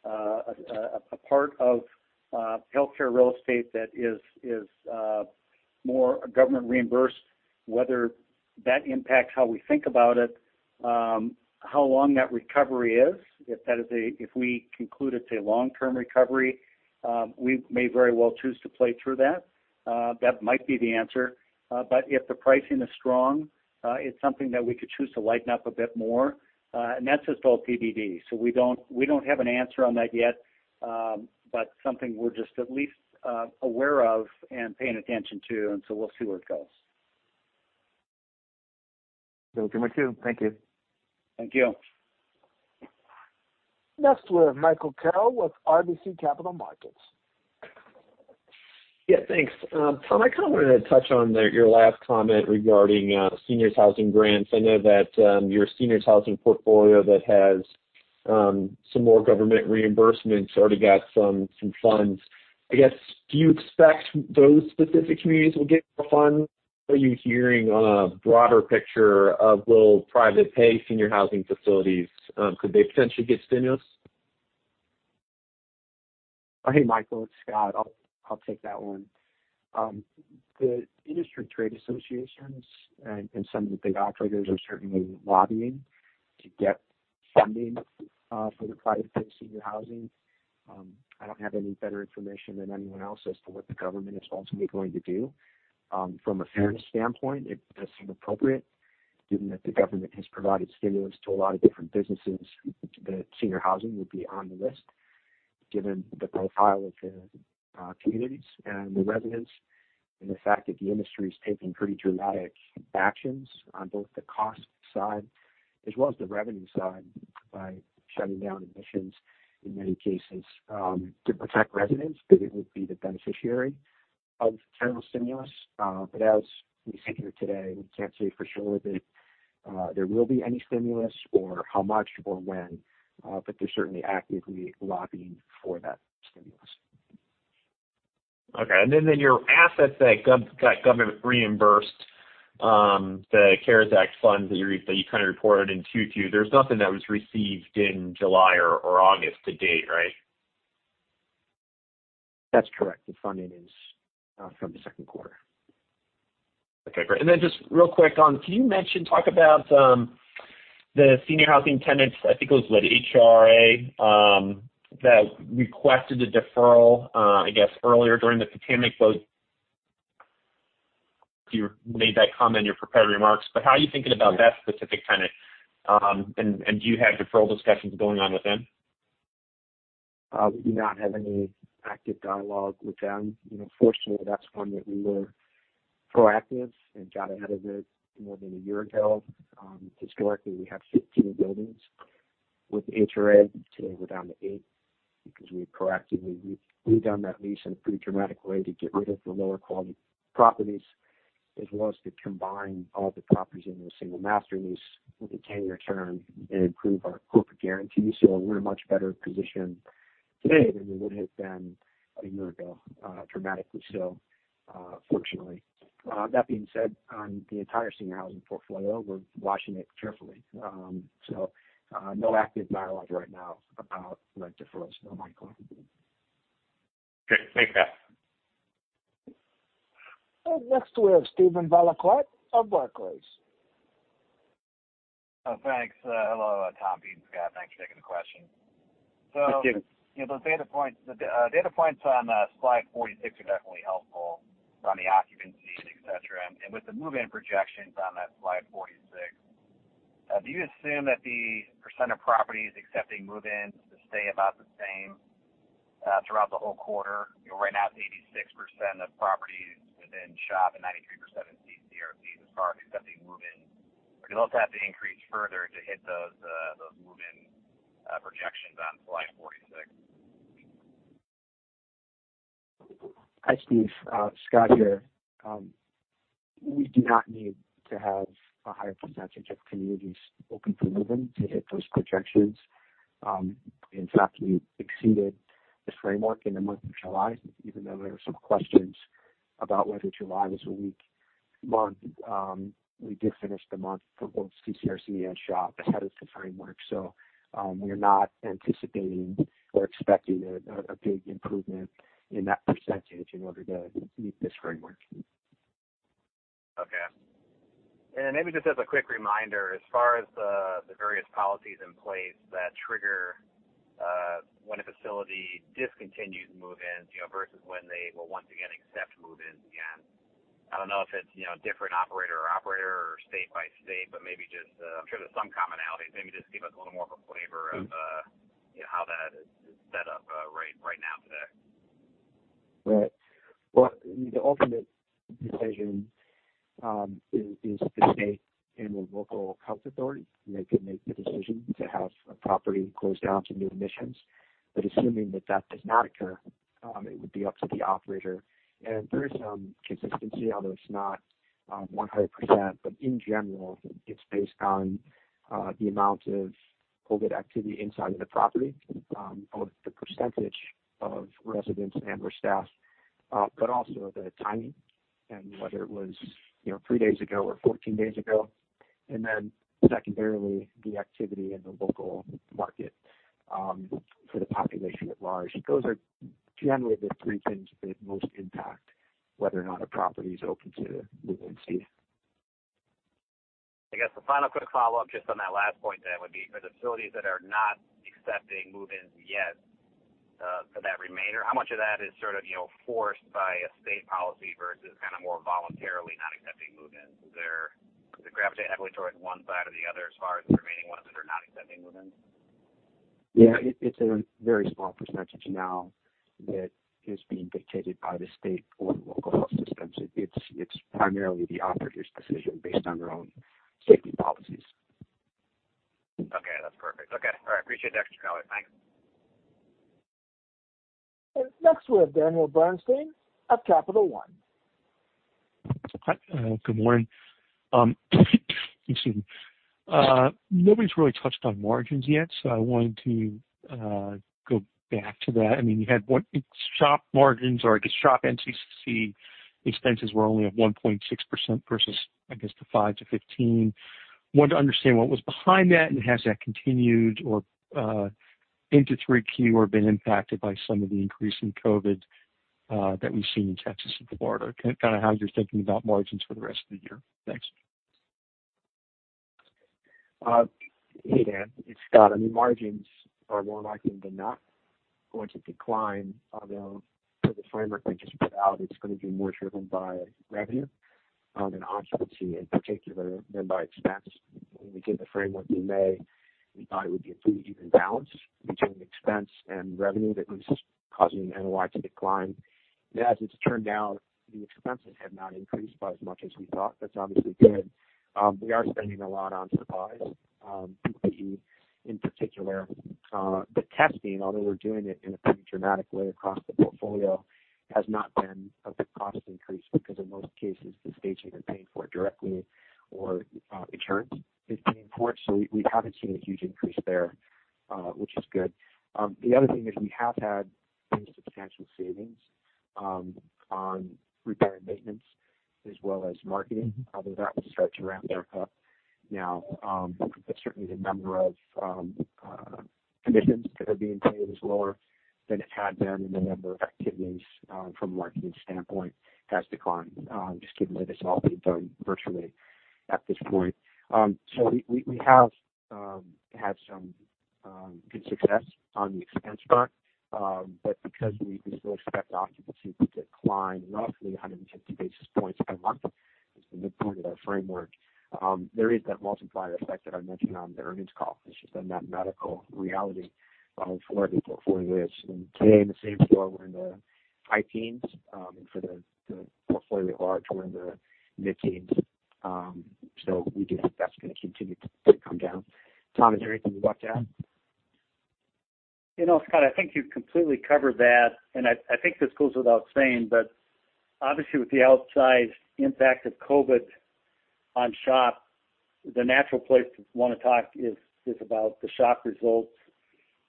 a part of healthcare real estate that is more government reimbursed, whether that impacts how we think about it, how long that recovery is. If we conclude it's a long-term recovery, we may very well choose to play through that. That might be the answer. If the pricing is strong, it's something that we could choose to lighten up a bit more. That's just all PBD. We don't have an answer on that yet, but something we're just at least aware of and paying attention to, and so we'll see where it goes. Sounds good with you. Thank you. Thank you. Next we have Michael Carroll with RBC Capital Markets. Yeah, thanks. Tom, I kind of wanted to touch on your last comment regarding seniors housing grants. I know that your seniors housing portfolio that has some more government reimbursements already got some funds. I guess, do you expect those specific communities will get more funds? Are you hearing on a broader picture of will private pay senior housing facilities, could they potentially get stimulus? Hey, Michael, it's Scott. I'll take that one. The industry trade associations and some of the big operators are certainly lobbying to get funding for the private pay senior housing. I don't have any better information than anyone else as to what the government is ultimately going to do. From a fairness standpoint, it does seem appropriate given that the government has provided stimulus to a lot of different businesses, that senior housing would be on the list, given the profile of the communities and the residents, and the fact that the industry is taking pretty dramatic actions on both the cost side as well as the revenue side by shutting down admissions in many cases to protect residents, that it would be the beneficiary of federal stimulus. As we sit here today, we can't say for sure that there will be any stimulus or how much or when, but they're certainly actively lobbying for that stimulus. Okay, your assets that government reimbursed, the CARES Act funds that you kind of reported in 2Q, there's nothing that was received in July or August to date, right? That's correct. The funding is from the Q2. Okay, great. Just real quick on, can you talk about the senior housing tenants, I think it was with HRA, that requested a deferral, I guess earlier during the pandemic, though you made that comment in your prepared remarks, but how are you thinking about that specific tenant, and do you have deferral discussions going on with them? We do not have any active dialogue with them. Fortunately, that's one that we were proactive and got ahead of it more than a year ago. Historically, we have 15 buildings with HRA. Today, we're down to eight because we've proactively redone that lease in a pretty dramatic way to get rid of the lower quality properties, As well as to combine all the properties into a single master lease with a 10-year term and improve our corporate guarantee. We're in a much better position today than we would have been a year ago, dramatically so, fortunately. That being said, on the entire senior housing portfolio, we're watching it carefully. No active dialogue right now about electorate for us, no, Michael. Great. Thanks, Scott. Next, we have Steven Valiquette of Barclays. Thanks. Hello, Tom, Ian, Scott, thanks for taking the question. Thanks, Steven. The data points on slide 46 are definitely helpful on the occupancies, et cetera. With the move-in projections on that slide 46, do you assume that the % of properties accepting move-ins to stay about the same throughout the whole quarter? Right now, it's 86% of properties within SHOP and 93% in CCRCs, as far as accepting move-ins. Does that have to increase further to hit those move-in projections on slide 46? Hi, Steven. Scott here. We do not need to have a higher percentage of communities open for move-in to hit those projections. In fact, we exceeded this framework in the month of July, even though there were some questions about whether July was a weak month. We did finish the month for both CCRCs and SHOP ahead of the framework. We're not anticipating or expecting a big improvement in that percentage in order to meet this framework. Maybe just as a quick reminder, as far as the various policies in place that trigger when a facility discontinues move-ins, versus when they will once again accept move-ins again. I don't know if it's different operator by operator or state by state. I'm sure there's some commonalities. Maybe just give us a little more of a flavor of how that is set up right now today. Right. Well, the ultimate decision is the state and the local health authority. They could make the decision to have a property closed down to new admissions. Assuming that that does not occur, it would be up to the operator. There is some consistency, although it's not 100%, but in general, it's based on the amount of COVID activity inside of the property, Both the percentage of residents and/or staff, but also the timing and whether it was three days ago or 14 days ago. Then secondarily, the activity in the local market for the population at large. Those are generally the three things that most impact whether or not a property is open to move-ins, Steven. I guess the final quick follow-up just on that last point then would be, for the facilities that are not accepting move-ins yet, for that remainder, how much of that is sort of forced by a state policy versus kind of more voluntarily not accepting move-ins? Does it gravitate heavily towards one side or the other as far as the remaining ones that are not accepting move-ins? Yeah. It's a very small percentage now that is being dictated by the state or local health systems. It's primarily the operator's decision based on their own safety policies. Okay. That's perfect. Okay. All right. Appreciate the extra color. Thanks. Next we have Daniel Bernstein of Capital One. Hi. Good morning. Excuse me. Nobody's really touched on margins yet, so I wanted to go back to that. You had what? SHOP margins, or I guess SHOP NCC expenses were only up 1.6% versus, I guess, the 5%-15%. Wanted to understand what was behind that, and has that continued into 3Q or been impacted by some of the increase in COVID that we've seen in Texas and Florida? Kind of how you're thinking about margins for the rest of the year? Thanks. Hey, Daniel. It's Scott. Margins are more likely than not going to decline, although for the framework we just put out, it's going to be more driven by revenue and occupancy, in particular, than by expense. When we gave the framework in May, we thought it would be a pretty even balance between expense and revenue that was causing NOI to decline. As it's turned out, the expenses have not increased by as much as we thought. That's obviously good. We are spending a lot on supplies, PPE in particular. The testing, although we're doing it in a pretty dramatic way across the portfolio, has not been a big cost increase because in most cases, the state's either paying for it directly or insurance is paying for it. We haven't seen a huge increase there, which is good. The other thing is we have had some substantial savings on repair and maintenance as well as marketing, although that will start to ramp back up now. Certainly, the number of admissions that are being paid is lower than it had been, and the number of activities from a marketing standpoint has declined, just given that it's all being done virtually at this point. We have had some good success on the expense front. Because we still expect occupancy to decline roughly 150 basis points by month. It's the midpoint of our framework. There is that multiplier effect that I mentioned on the earnings call. It's just a mathematical reality for every portfolio. Today in the same store, we're in the high teens. For the portfolio at large, we're in the mid-teens. We do think that's going to continue to come down. Tom, is there anything you'd like to add? Scott, I think you've completely covered that, and I think this goes without saying, but obviously with the outsized impact of COVID on SHOP, the natural place to want to talk is about the SHOP results.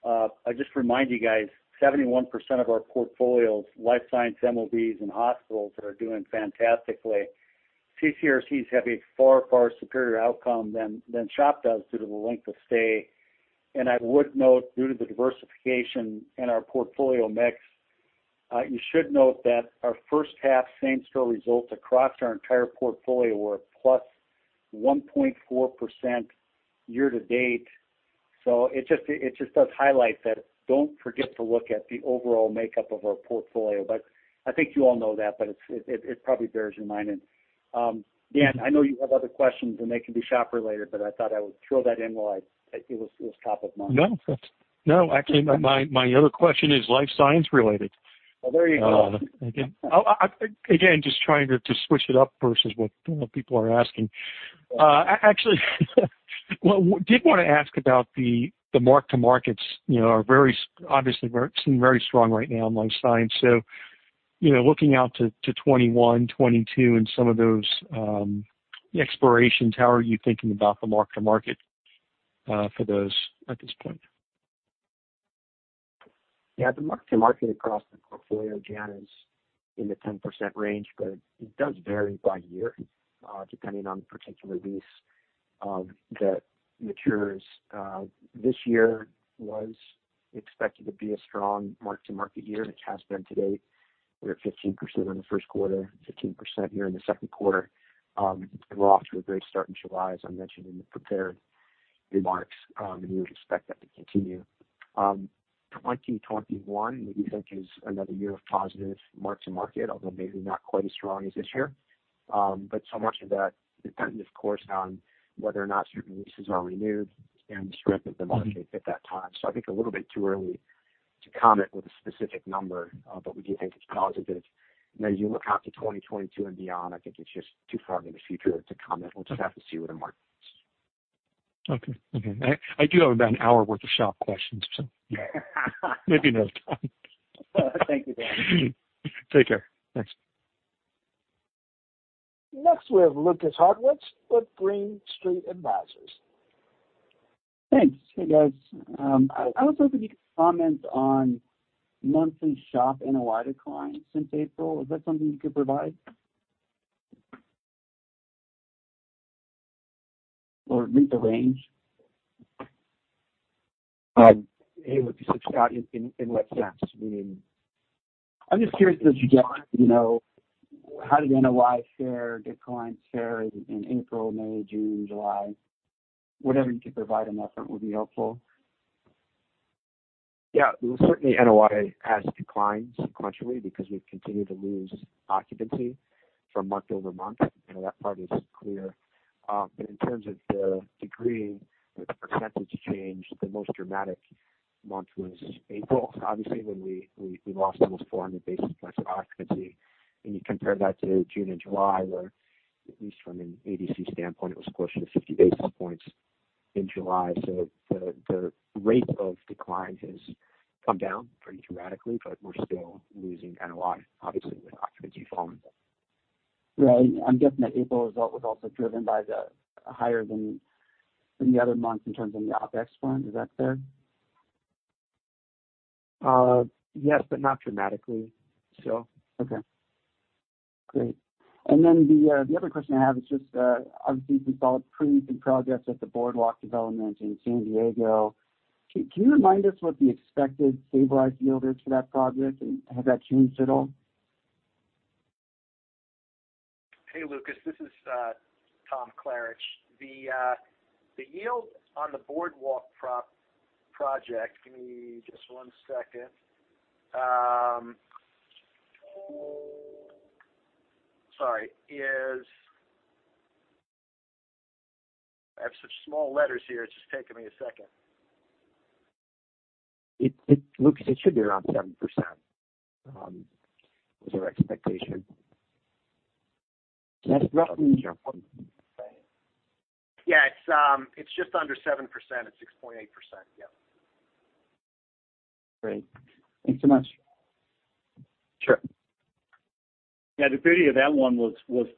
I just remind you guys, 71% of our portfolio's life science MOBs and hospitals are doing fantastically. CCRCs have a far, far superior outcome than SHOP does due to the length of stay. I would note, due to the diversification in our portfolio mix, you should note that our first half same store results across our entire portfolio were +1.4% year to date. It just does highlight that don't forget to look at the overall makeup of our portfolio. I think you all know that, but it probably bears reminding. Daniel, I know you have other questions, and they can be SHOP-related, but I thought I would throw that in while it was top of mind. No. Actually, my other question is life science related. Well, there you go. Again, just trying to switch it up versus what people are asking. Actually, did want to ask about the mark-to-markets, obviously seem very strong right now in life science. Looking out to 2021, 2022, and some of those expirations, how are you thinking about the mark-to-market for those at this point? Yeah, the mark-to-market across the portfolio, Daniel, is in the 10% range, but it does vary by year, depending on the particular lease that matures. This year was expected to be a strong mark-to-market year, and it has been to date. We were at 15% in the Q1, 15% here in the Q2. We're off to a great start in July, as I mentioned in the prepared remarks, and we would expect that to continue. 2021, We think is another year of positive mark-to-market, although maybe not quite as strong as this year. So much of that depends, of course, on whether or not certain leases are renewed and the strength of the market at that time. I think a little bit too early to comment with a specific number, but we do think it's positive. As you look out to 2022 and beyond, I think it's just too far in the future to comment. We'll just have to see where the market is. Okay. I do have about an hour worth of SHOP questions, so yeah. Maybe another time. Thank you, Daniel. Take care. Thanks. Next, we have Lucas Hartwich with Green Street Advisors. Thanks. Hey, guys. I was hoping you could comment on monthly SHOP NOI decline since April. Is that something you could provide, or at least a range? Hey, Lucas. It's Scott in last week's meeting. I'm just curious as you get how did NOI fare, did clients fare in April, May, June, July? Whatever you can provide on that front would be helpful. Yeah. Certainly, NOI has declined sequentially because we've continued to lose occupancy from month-over-month. That part is clear. In terms of the degree, the percentage change, the most dramatic month was April, obviously, when we lost almost 400 basis points of occupancy. When you compare that to June and July, where at least from an ADC standpoint, it was closer to 50 basis points in July. The rate of decline has come down pretty dramatically, but we're still losing NOI, obviously, with occupancy falling. Right. I'm guessing that April result was also driven by the higher than the other months in terms of the OpEx spend. Is that fair? Yes, but not dramatically. Okay. Great. The other question I have is just, obviously we saw pre-leasing progress at The Boardwalk development in San Diego. Can you remind us what the expected stabilized yield is for that project, and has that changed at all? Hey, Lucas. This is Tom Klaritch. The yield on The Boardwalk project, give me just one second. Sorry. I have such small letters here, it's just taking me a second. Lucas, it should be around 7%, was our expectation. That's roughly what I was saying. Yeah. It's just under 7%. It's 6.8%. Yeah. Great. Thanks so much. Sure. Yeah, the beauty of that one was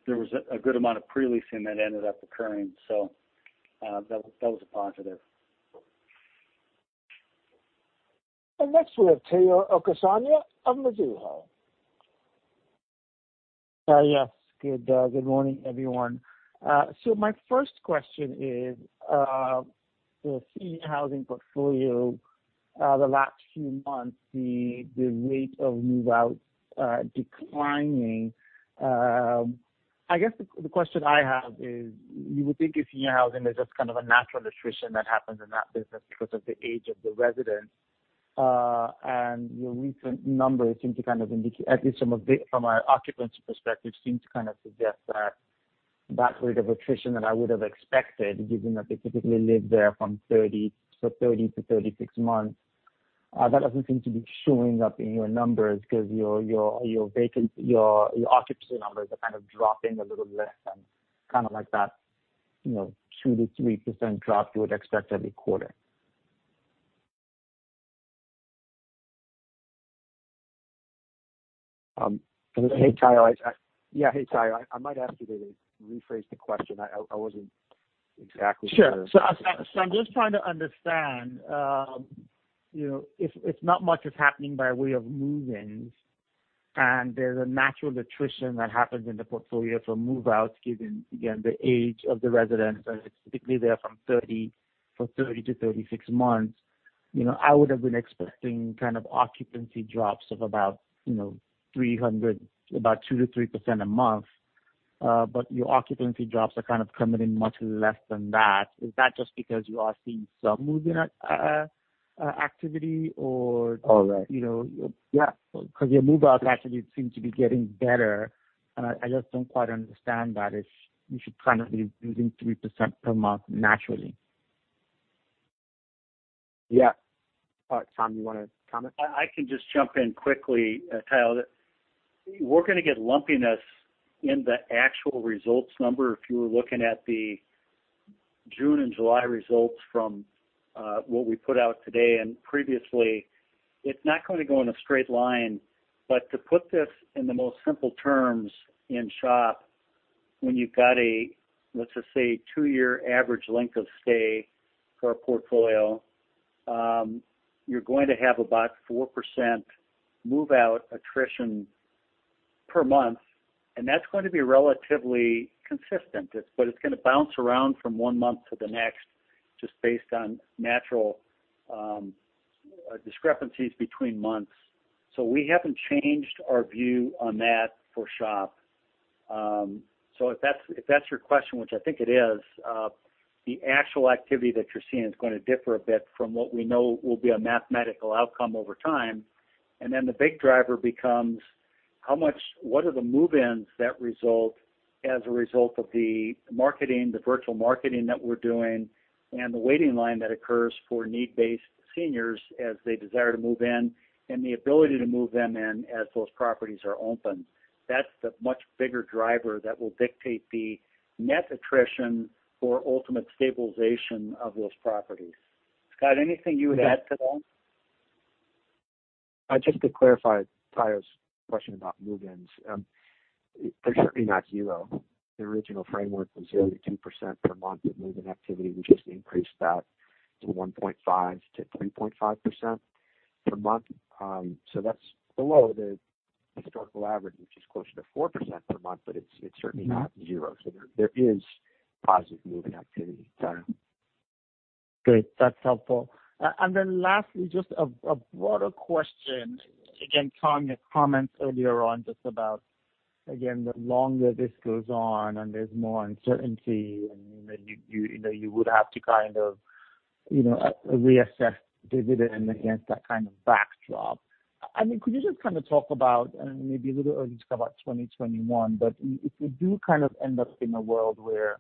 there was a good amount of pre-leasing that ended up occurring, so that was a positive. Next we have Omotayo Okusanya of Mizuho. Yes. Good morning, everyone. My first question is, the senior housing portfolio the last few months, the rate of move-outs declining. I guess the question I have is, you would think in senior housing, there's just kind of a natural attrition that happens in that business because of the age of the residents. Your recent numbers seem to kind of indicate, at least from an occupancy perspective, seem to kind of suggest that rate of attrition that I would have expected, given that they typically live there from 30-36 months. That doesn't seem to be showing up in your numbers because your occupancy numbers are kind of dropping a little less than kind of like that 2%-3% drop you would expect every quarter. Hey, Omotayo. Yeah, hey, Omotayo, I might ask you to rephrase the question. I wasn't exactly sure. Sure. I'm just trying to understand if not much is happening by way of move-ins and there's a natural attrition that happens in the portfolio for move-outs given, again, the age of the residents, and it's typically there from 30-36 months. I would have been expecting kind of occupancy drops of about 300, about 2%-3% a month. Your occupancy drops are kind of coming in much less than that. Is that just because you are seeing some move-in activity or- All right. Yeah. Because your move-out activity seems to be getting better, I just don't quite understand that if you should kind of be losing 3% per month naturally. Yeah. Tom, you want to comment? I can just jump in quickly, Omotayo. We're going to get lumpiness in the actual results number if you were looking at the June and July results from what we put out today and previously. It's not going to go in a straight line. To put this in the most simple terms in SHOP, when you've got a, let's just say, two-year average length of stay for a portfolio, you're going to have about 4% move-out attrition per month, and that's going to be relatively consistent. It's going to bounce around from one month to the next just based on natural discrepancies between months. We haven't changed our view on that for SHOP. If that's your question, which I think it is, the actual activity that you're seeing is going to differ a bit from what we know will be a mathematical outcome over time. The big driver becomes what are the move-ins that result as a result of the marketing, the virtual marketing that we're doing, and the waiting line that occurs for need-based seniors as they desire to move in, and the ability to move them in as those properties are opened. That's the much bigger driver that will dictate the net attrition for ultimate stabilization of those properties. Scott, anything you would add to that? Just to clarify Omotayo's question about move-ins. They're certainly not zero. The original framework was 0%-2% per month of move-in activity. We just increased that to 1.5%-3.5% per month. That's below the historical average, which is closer to 4% per month, but it's certainly not zero. There is positive move-in activity, Omotayo. Great. That's helpful. Then lastly, just a broader question. Tom, your comments earlier on just about, again, the longer this goes on and there's more uncertainty and you would have to kind of reassess dividend against that kind of backdrop. Could you just kind of talk about, maybe a little early to talk about 2021, but if we do kind of end up in a world where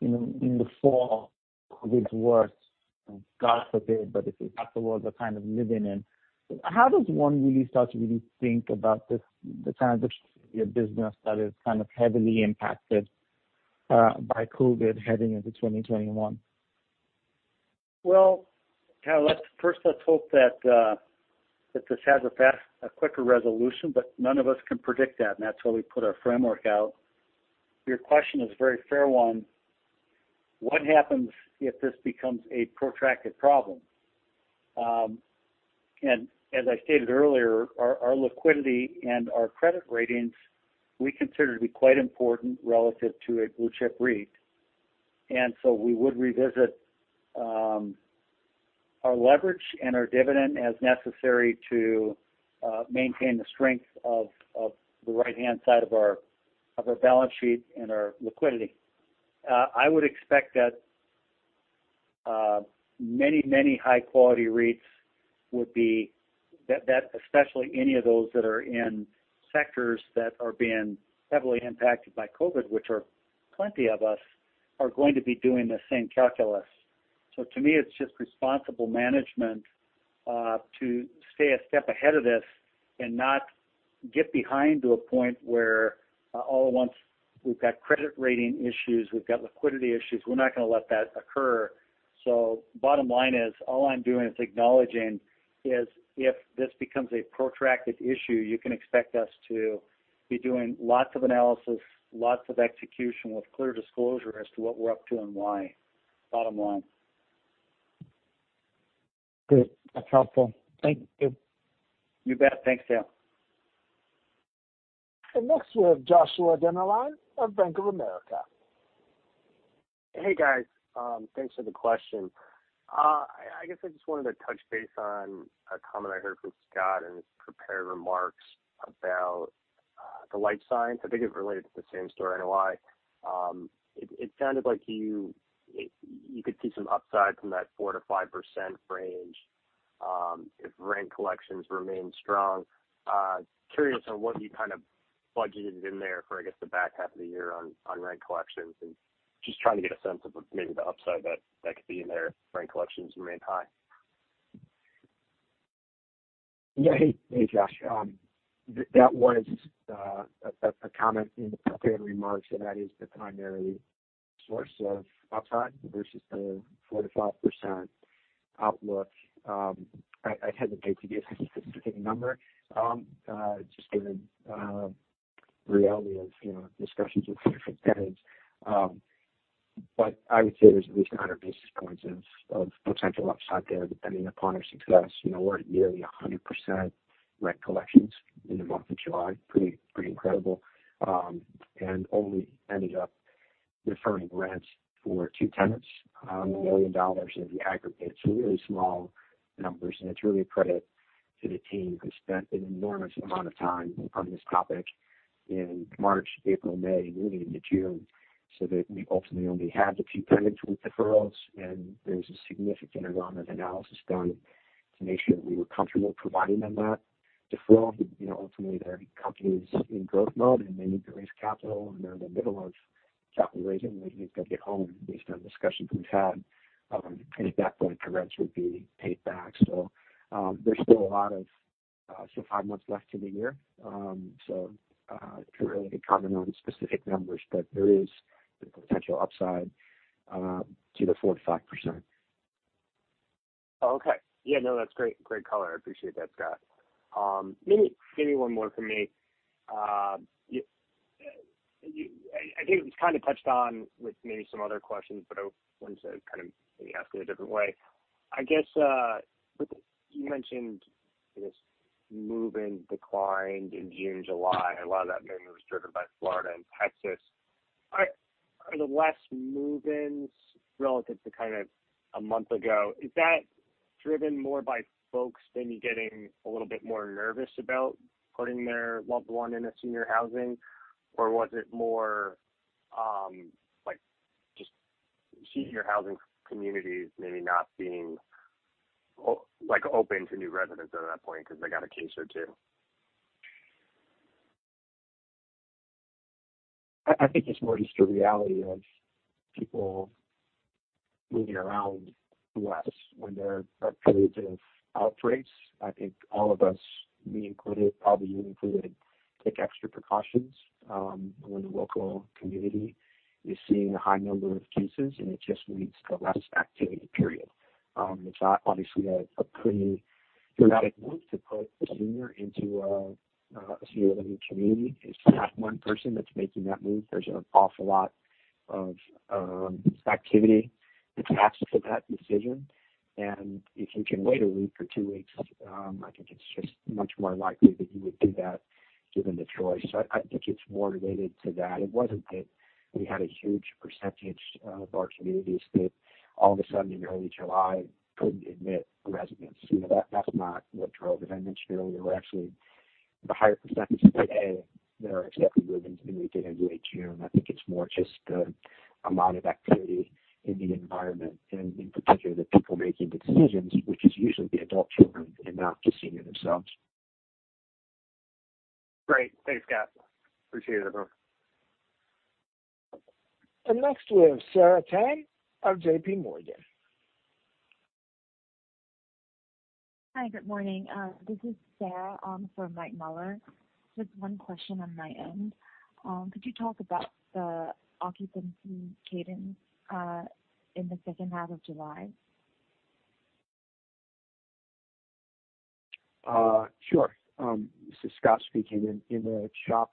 in the fall COVID gets worse, God forbid, but if we have the world we're kind of living in, how does one really start to really think about this transition of your business that is kind of heavily impacted by COVID heading into 2021? Omotayo, first let's hope that this has a quicker resolution, but none of us can predict that, and that's why we put our framework out. Your question is a very fair one. What happens if this becomes a protracted problem? As I stated earlier, our liquidity and our credit ratings we consider to be quite important relative to a blue-chip REIT. We would revisit our leverage and our dividend as necessary to maintain the strength of the right-hand side of our balance sheet and our liquidity. I would expect that many high-quality REITs would be, especially any of those that are in sectors that are being heavily impacted by COVID, which are plenty of us, are going to be doing the same calculus. To me, it's just responsible management to stay a step ahead of this and not get behind to a point where all at once we've got credit rating issues, we've got liquidity issues. We're not going to let that occur. Bottom line is, all I'm doing is acknowledging is if this becomes a protracted issue, you can expect us to be doing lots of analysis, lots of execution with clear disclosure as to what we're up to and why. Bottom line. Great. That's helpful. Thank you. You bet. Thanks, Omotayo. Next we have Joshua Dennerlein of Bank of America. Hey, guys. Thanks for the question. I guess I just wanted to touch base on a comment I heard from Scott in his prepared remarks about the life science, I think it related to the same story, NOI. It sounded like you could see some upside from that 4%-5% range if rent collections remain strong. Curious on what you budgeted in there for, I guess, the back half of the year on rent collections, and just trying to get a sense of maybe the upside that could be in there if rent collections remain high. Yeah. Hey, Joshua. That is the primary source of upside versus the 4%-5% outlook. I hesitate to give a specific number just given reality of discussions with different tenants. I would say there's at least 100 basis points of potential upside there depending upon our success. We're at nearly 100% rent collections in the month of July. Pretty incredible. Only ended up deferring rents for two tenants on the $1 million in the aggregate. Really small numbers, and it's really a credit to the team who spent an enormous amount of time on this topic in March, April, May, and really into June, so that we ultimately only had the two tenants with deferrals, and there was a significant amount of analysis done to make sure that we were comfortable providing them that deferral. Ultimately, their company is in growth mode, and they need to raise capital, and they're in the middle of capital raising. They think they'll get home based on discussions we've had. At that point, the rents would be paid back. There's still five months left in the year. Can't really comment on specific numbers, but there is the potential upside to the 4%-5%. Oh, okay. Yeah, no, that's great color. I appreciate that, Scott. Maybe one more from me. I think it was kind of touched on with maybe some other questions, but I wanted to maybe ask it a different way. I guess, you mentioned move-in declined in June, July, and a lot of that maybe was driven by Florida and Texas. Are the less move-ins relative to a month ago, is that driven more by folks maybe getting a little bit more nervous about putting their loved one in a senior housing? Or was it more just senior housing communities maybe not being open to new residents at that point because they got a case or two? I think it's more just the reality of people moving around less when there are periods of outbreaks. I think all of us, me included, probably you included, take extra precautions when the local community is seeing a high number of cases, and it just leads to less activity, period. It's obviously a pretty dramatic move to put a senior into a senior living community. It's not one person that's making that move. There's an awful lot of activity attached to that decision. If you can wait a week or two weeks, I think it's just much more likely that you would do that given the choice. I think it's more related to that. It wasn't that we had a huge percentage of our communities that all of a sudden in early July couldn't admit residents. That's not what drove it. As I mentioned earlier, we're actually at a higher % today than our accepted move-ins than we did in mid-June. I think it's more just the amount of activity in the environment and in particular the people making the decisions, which is usually the adult children and not the senior themselves. Great. Thanks, Scott. Appreciate it. Over. Next we have Sarang Tayal of JPMorgan. Hi, good morning. This is Sara for Michael Gambardella. Just one question on my end. Could you talk about the occupancy cadence in the second half of July? Sure. This is Scott speaking. In the SHOP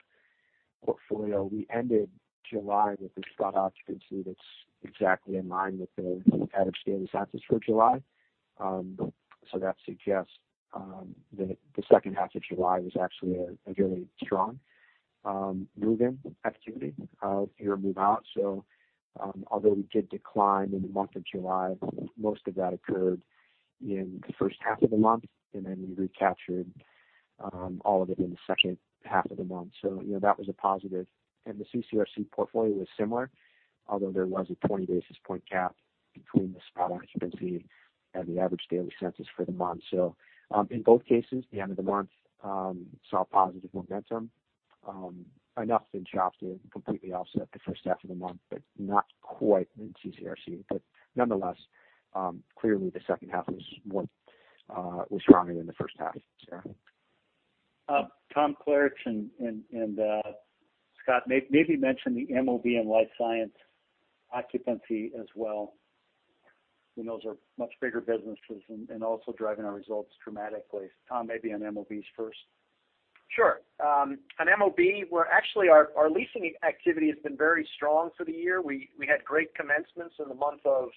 portfolio, we ended July with a spot occupancy that's exactly in line with the average daily census for July. That suggests that the H2 of July was actually a fairly strong move-in activity, fewer move-out. Although we did decline in the month of July, Most of that occurred in the first half of the month, and then we recaptured all of it in the second half of the month. That was a positive. The CCRC portfolio was similar, although there was a 20 basis point gap between the spot occupancy and the average daily census for the month. Enough in SHOP to completely offset the first half of the month, but not quite in CCRC. Nonetheless, clearly the second half was stronger than the H1, Sarang. Tom Klaritch and Scott, maybe mention the MOB and life science occupancy as well. Those are much bigger businesses and also driving our results dramatically. Tom, maybe on MOBs first. Sure. On MOB, actually our leasing activity has been very strong for the year. We had great commencements in the Q2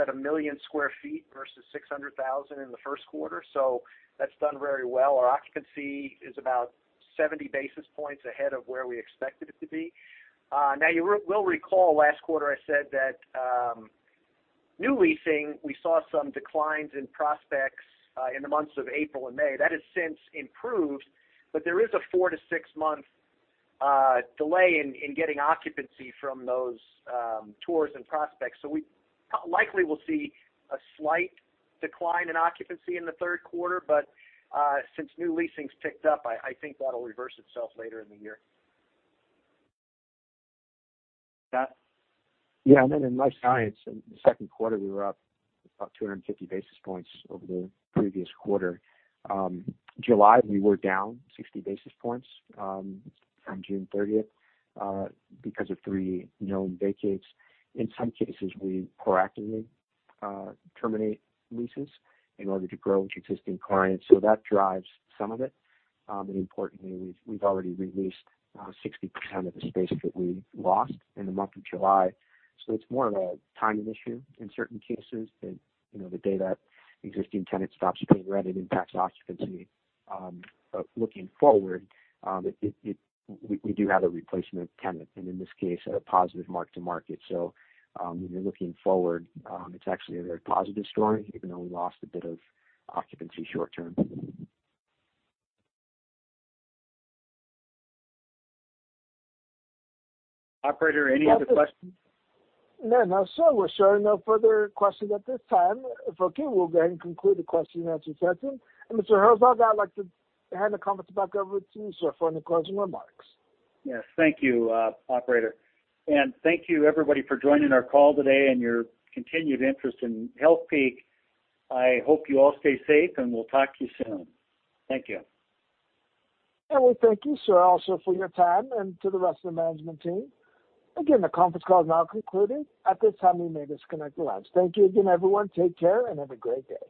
at 1 million sq ft versus 600,000 in the Q1, so that's done very well. Our occupancy is about 70 basis points ahead of where we expected it to be. You will recall last quarter I said that new leasing, we saw some declines in prospects in the months of April and May. That has since improved, but there is a four to six month delay in getting occupancy from those tours and prospects. We likely will see a slight decline in occupancy in the Q3. Since new leasing's picked up, I think that'll reverse itself later in the year. Scott? Yeah, I mean, in life science in the Q2, we were up about 250 basis points over the previous quarter. July, we were down 60 basis points from June 30th because of three known vacates. In some cases, we proactively terminate leases in order to grow existing clients. That drives some of it. Importantly, we've already re-leased 60% of the space that we lost in the month of July. It's more of a timing issue in certain cases than the day that existing tenant stops paying rent, it impacts occupancy. Looking forward, we do have a replacement tenant and in this case, a positive mark-to-market. When you're looking forward, it's actually a very positive story even though we lost a bit of occupancy short-term. Operator, any other questions? No, no, sir. We're showing no further questions at this time. If okay, we'll go ahead and conclude the question-and-answer session. Mr. Herzog, I'd like to hand the conference back over to you, sir, for any closing remarks. Yes. Thank you, operator. Thank you everybody for joining our call today and your continued interest in Healthpeak. I hope you all stay safe, and we'll talk to you soon. Thank you. We thank you, sir, also for your time and to the rest of the management team. The conference call is now concluded. At this time, you may disconnect your lines. Thank you again, everyone. Take care and have a great day.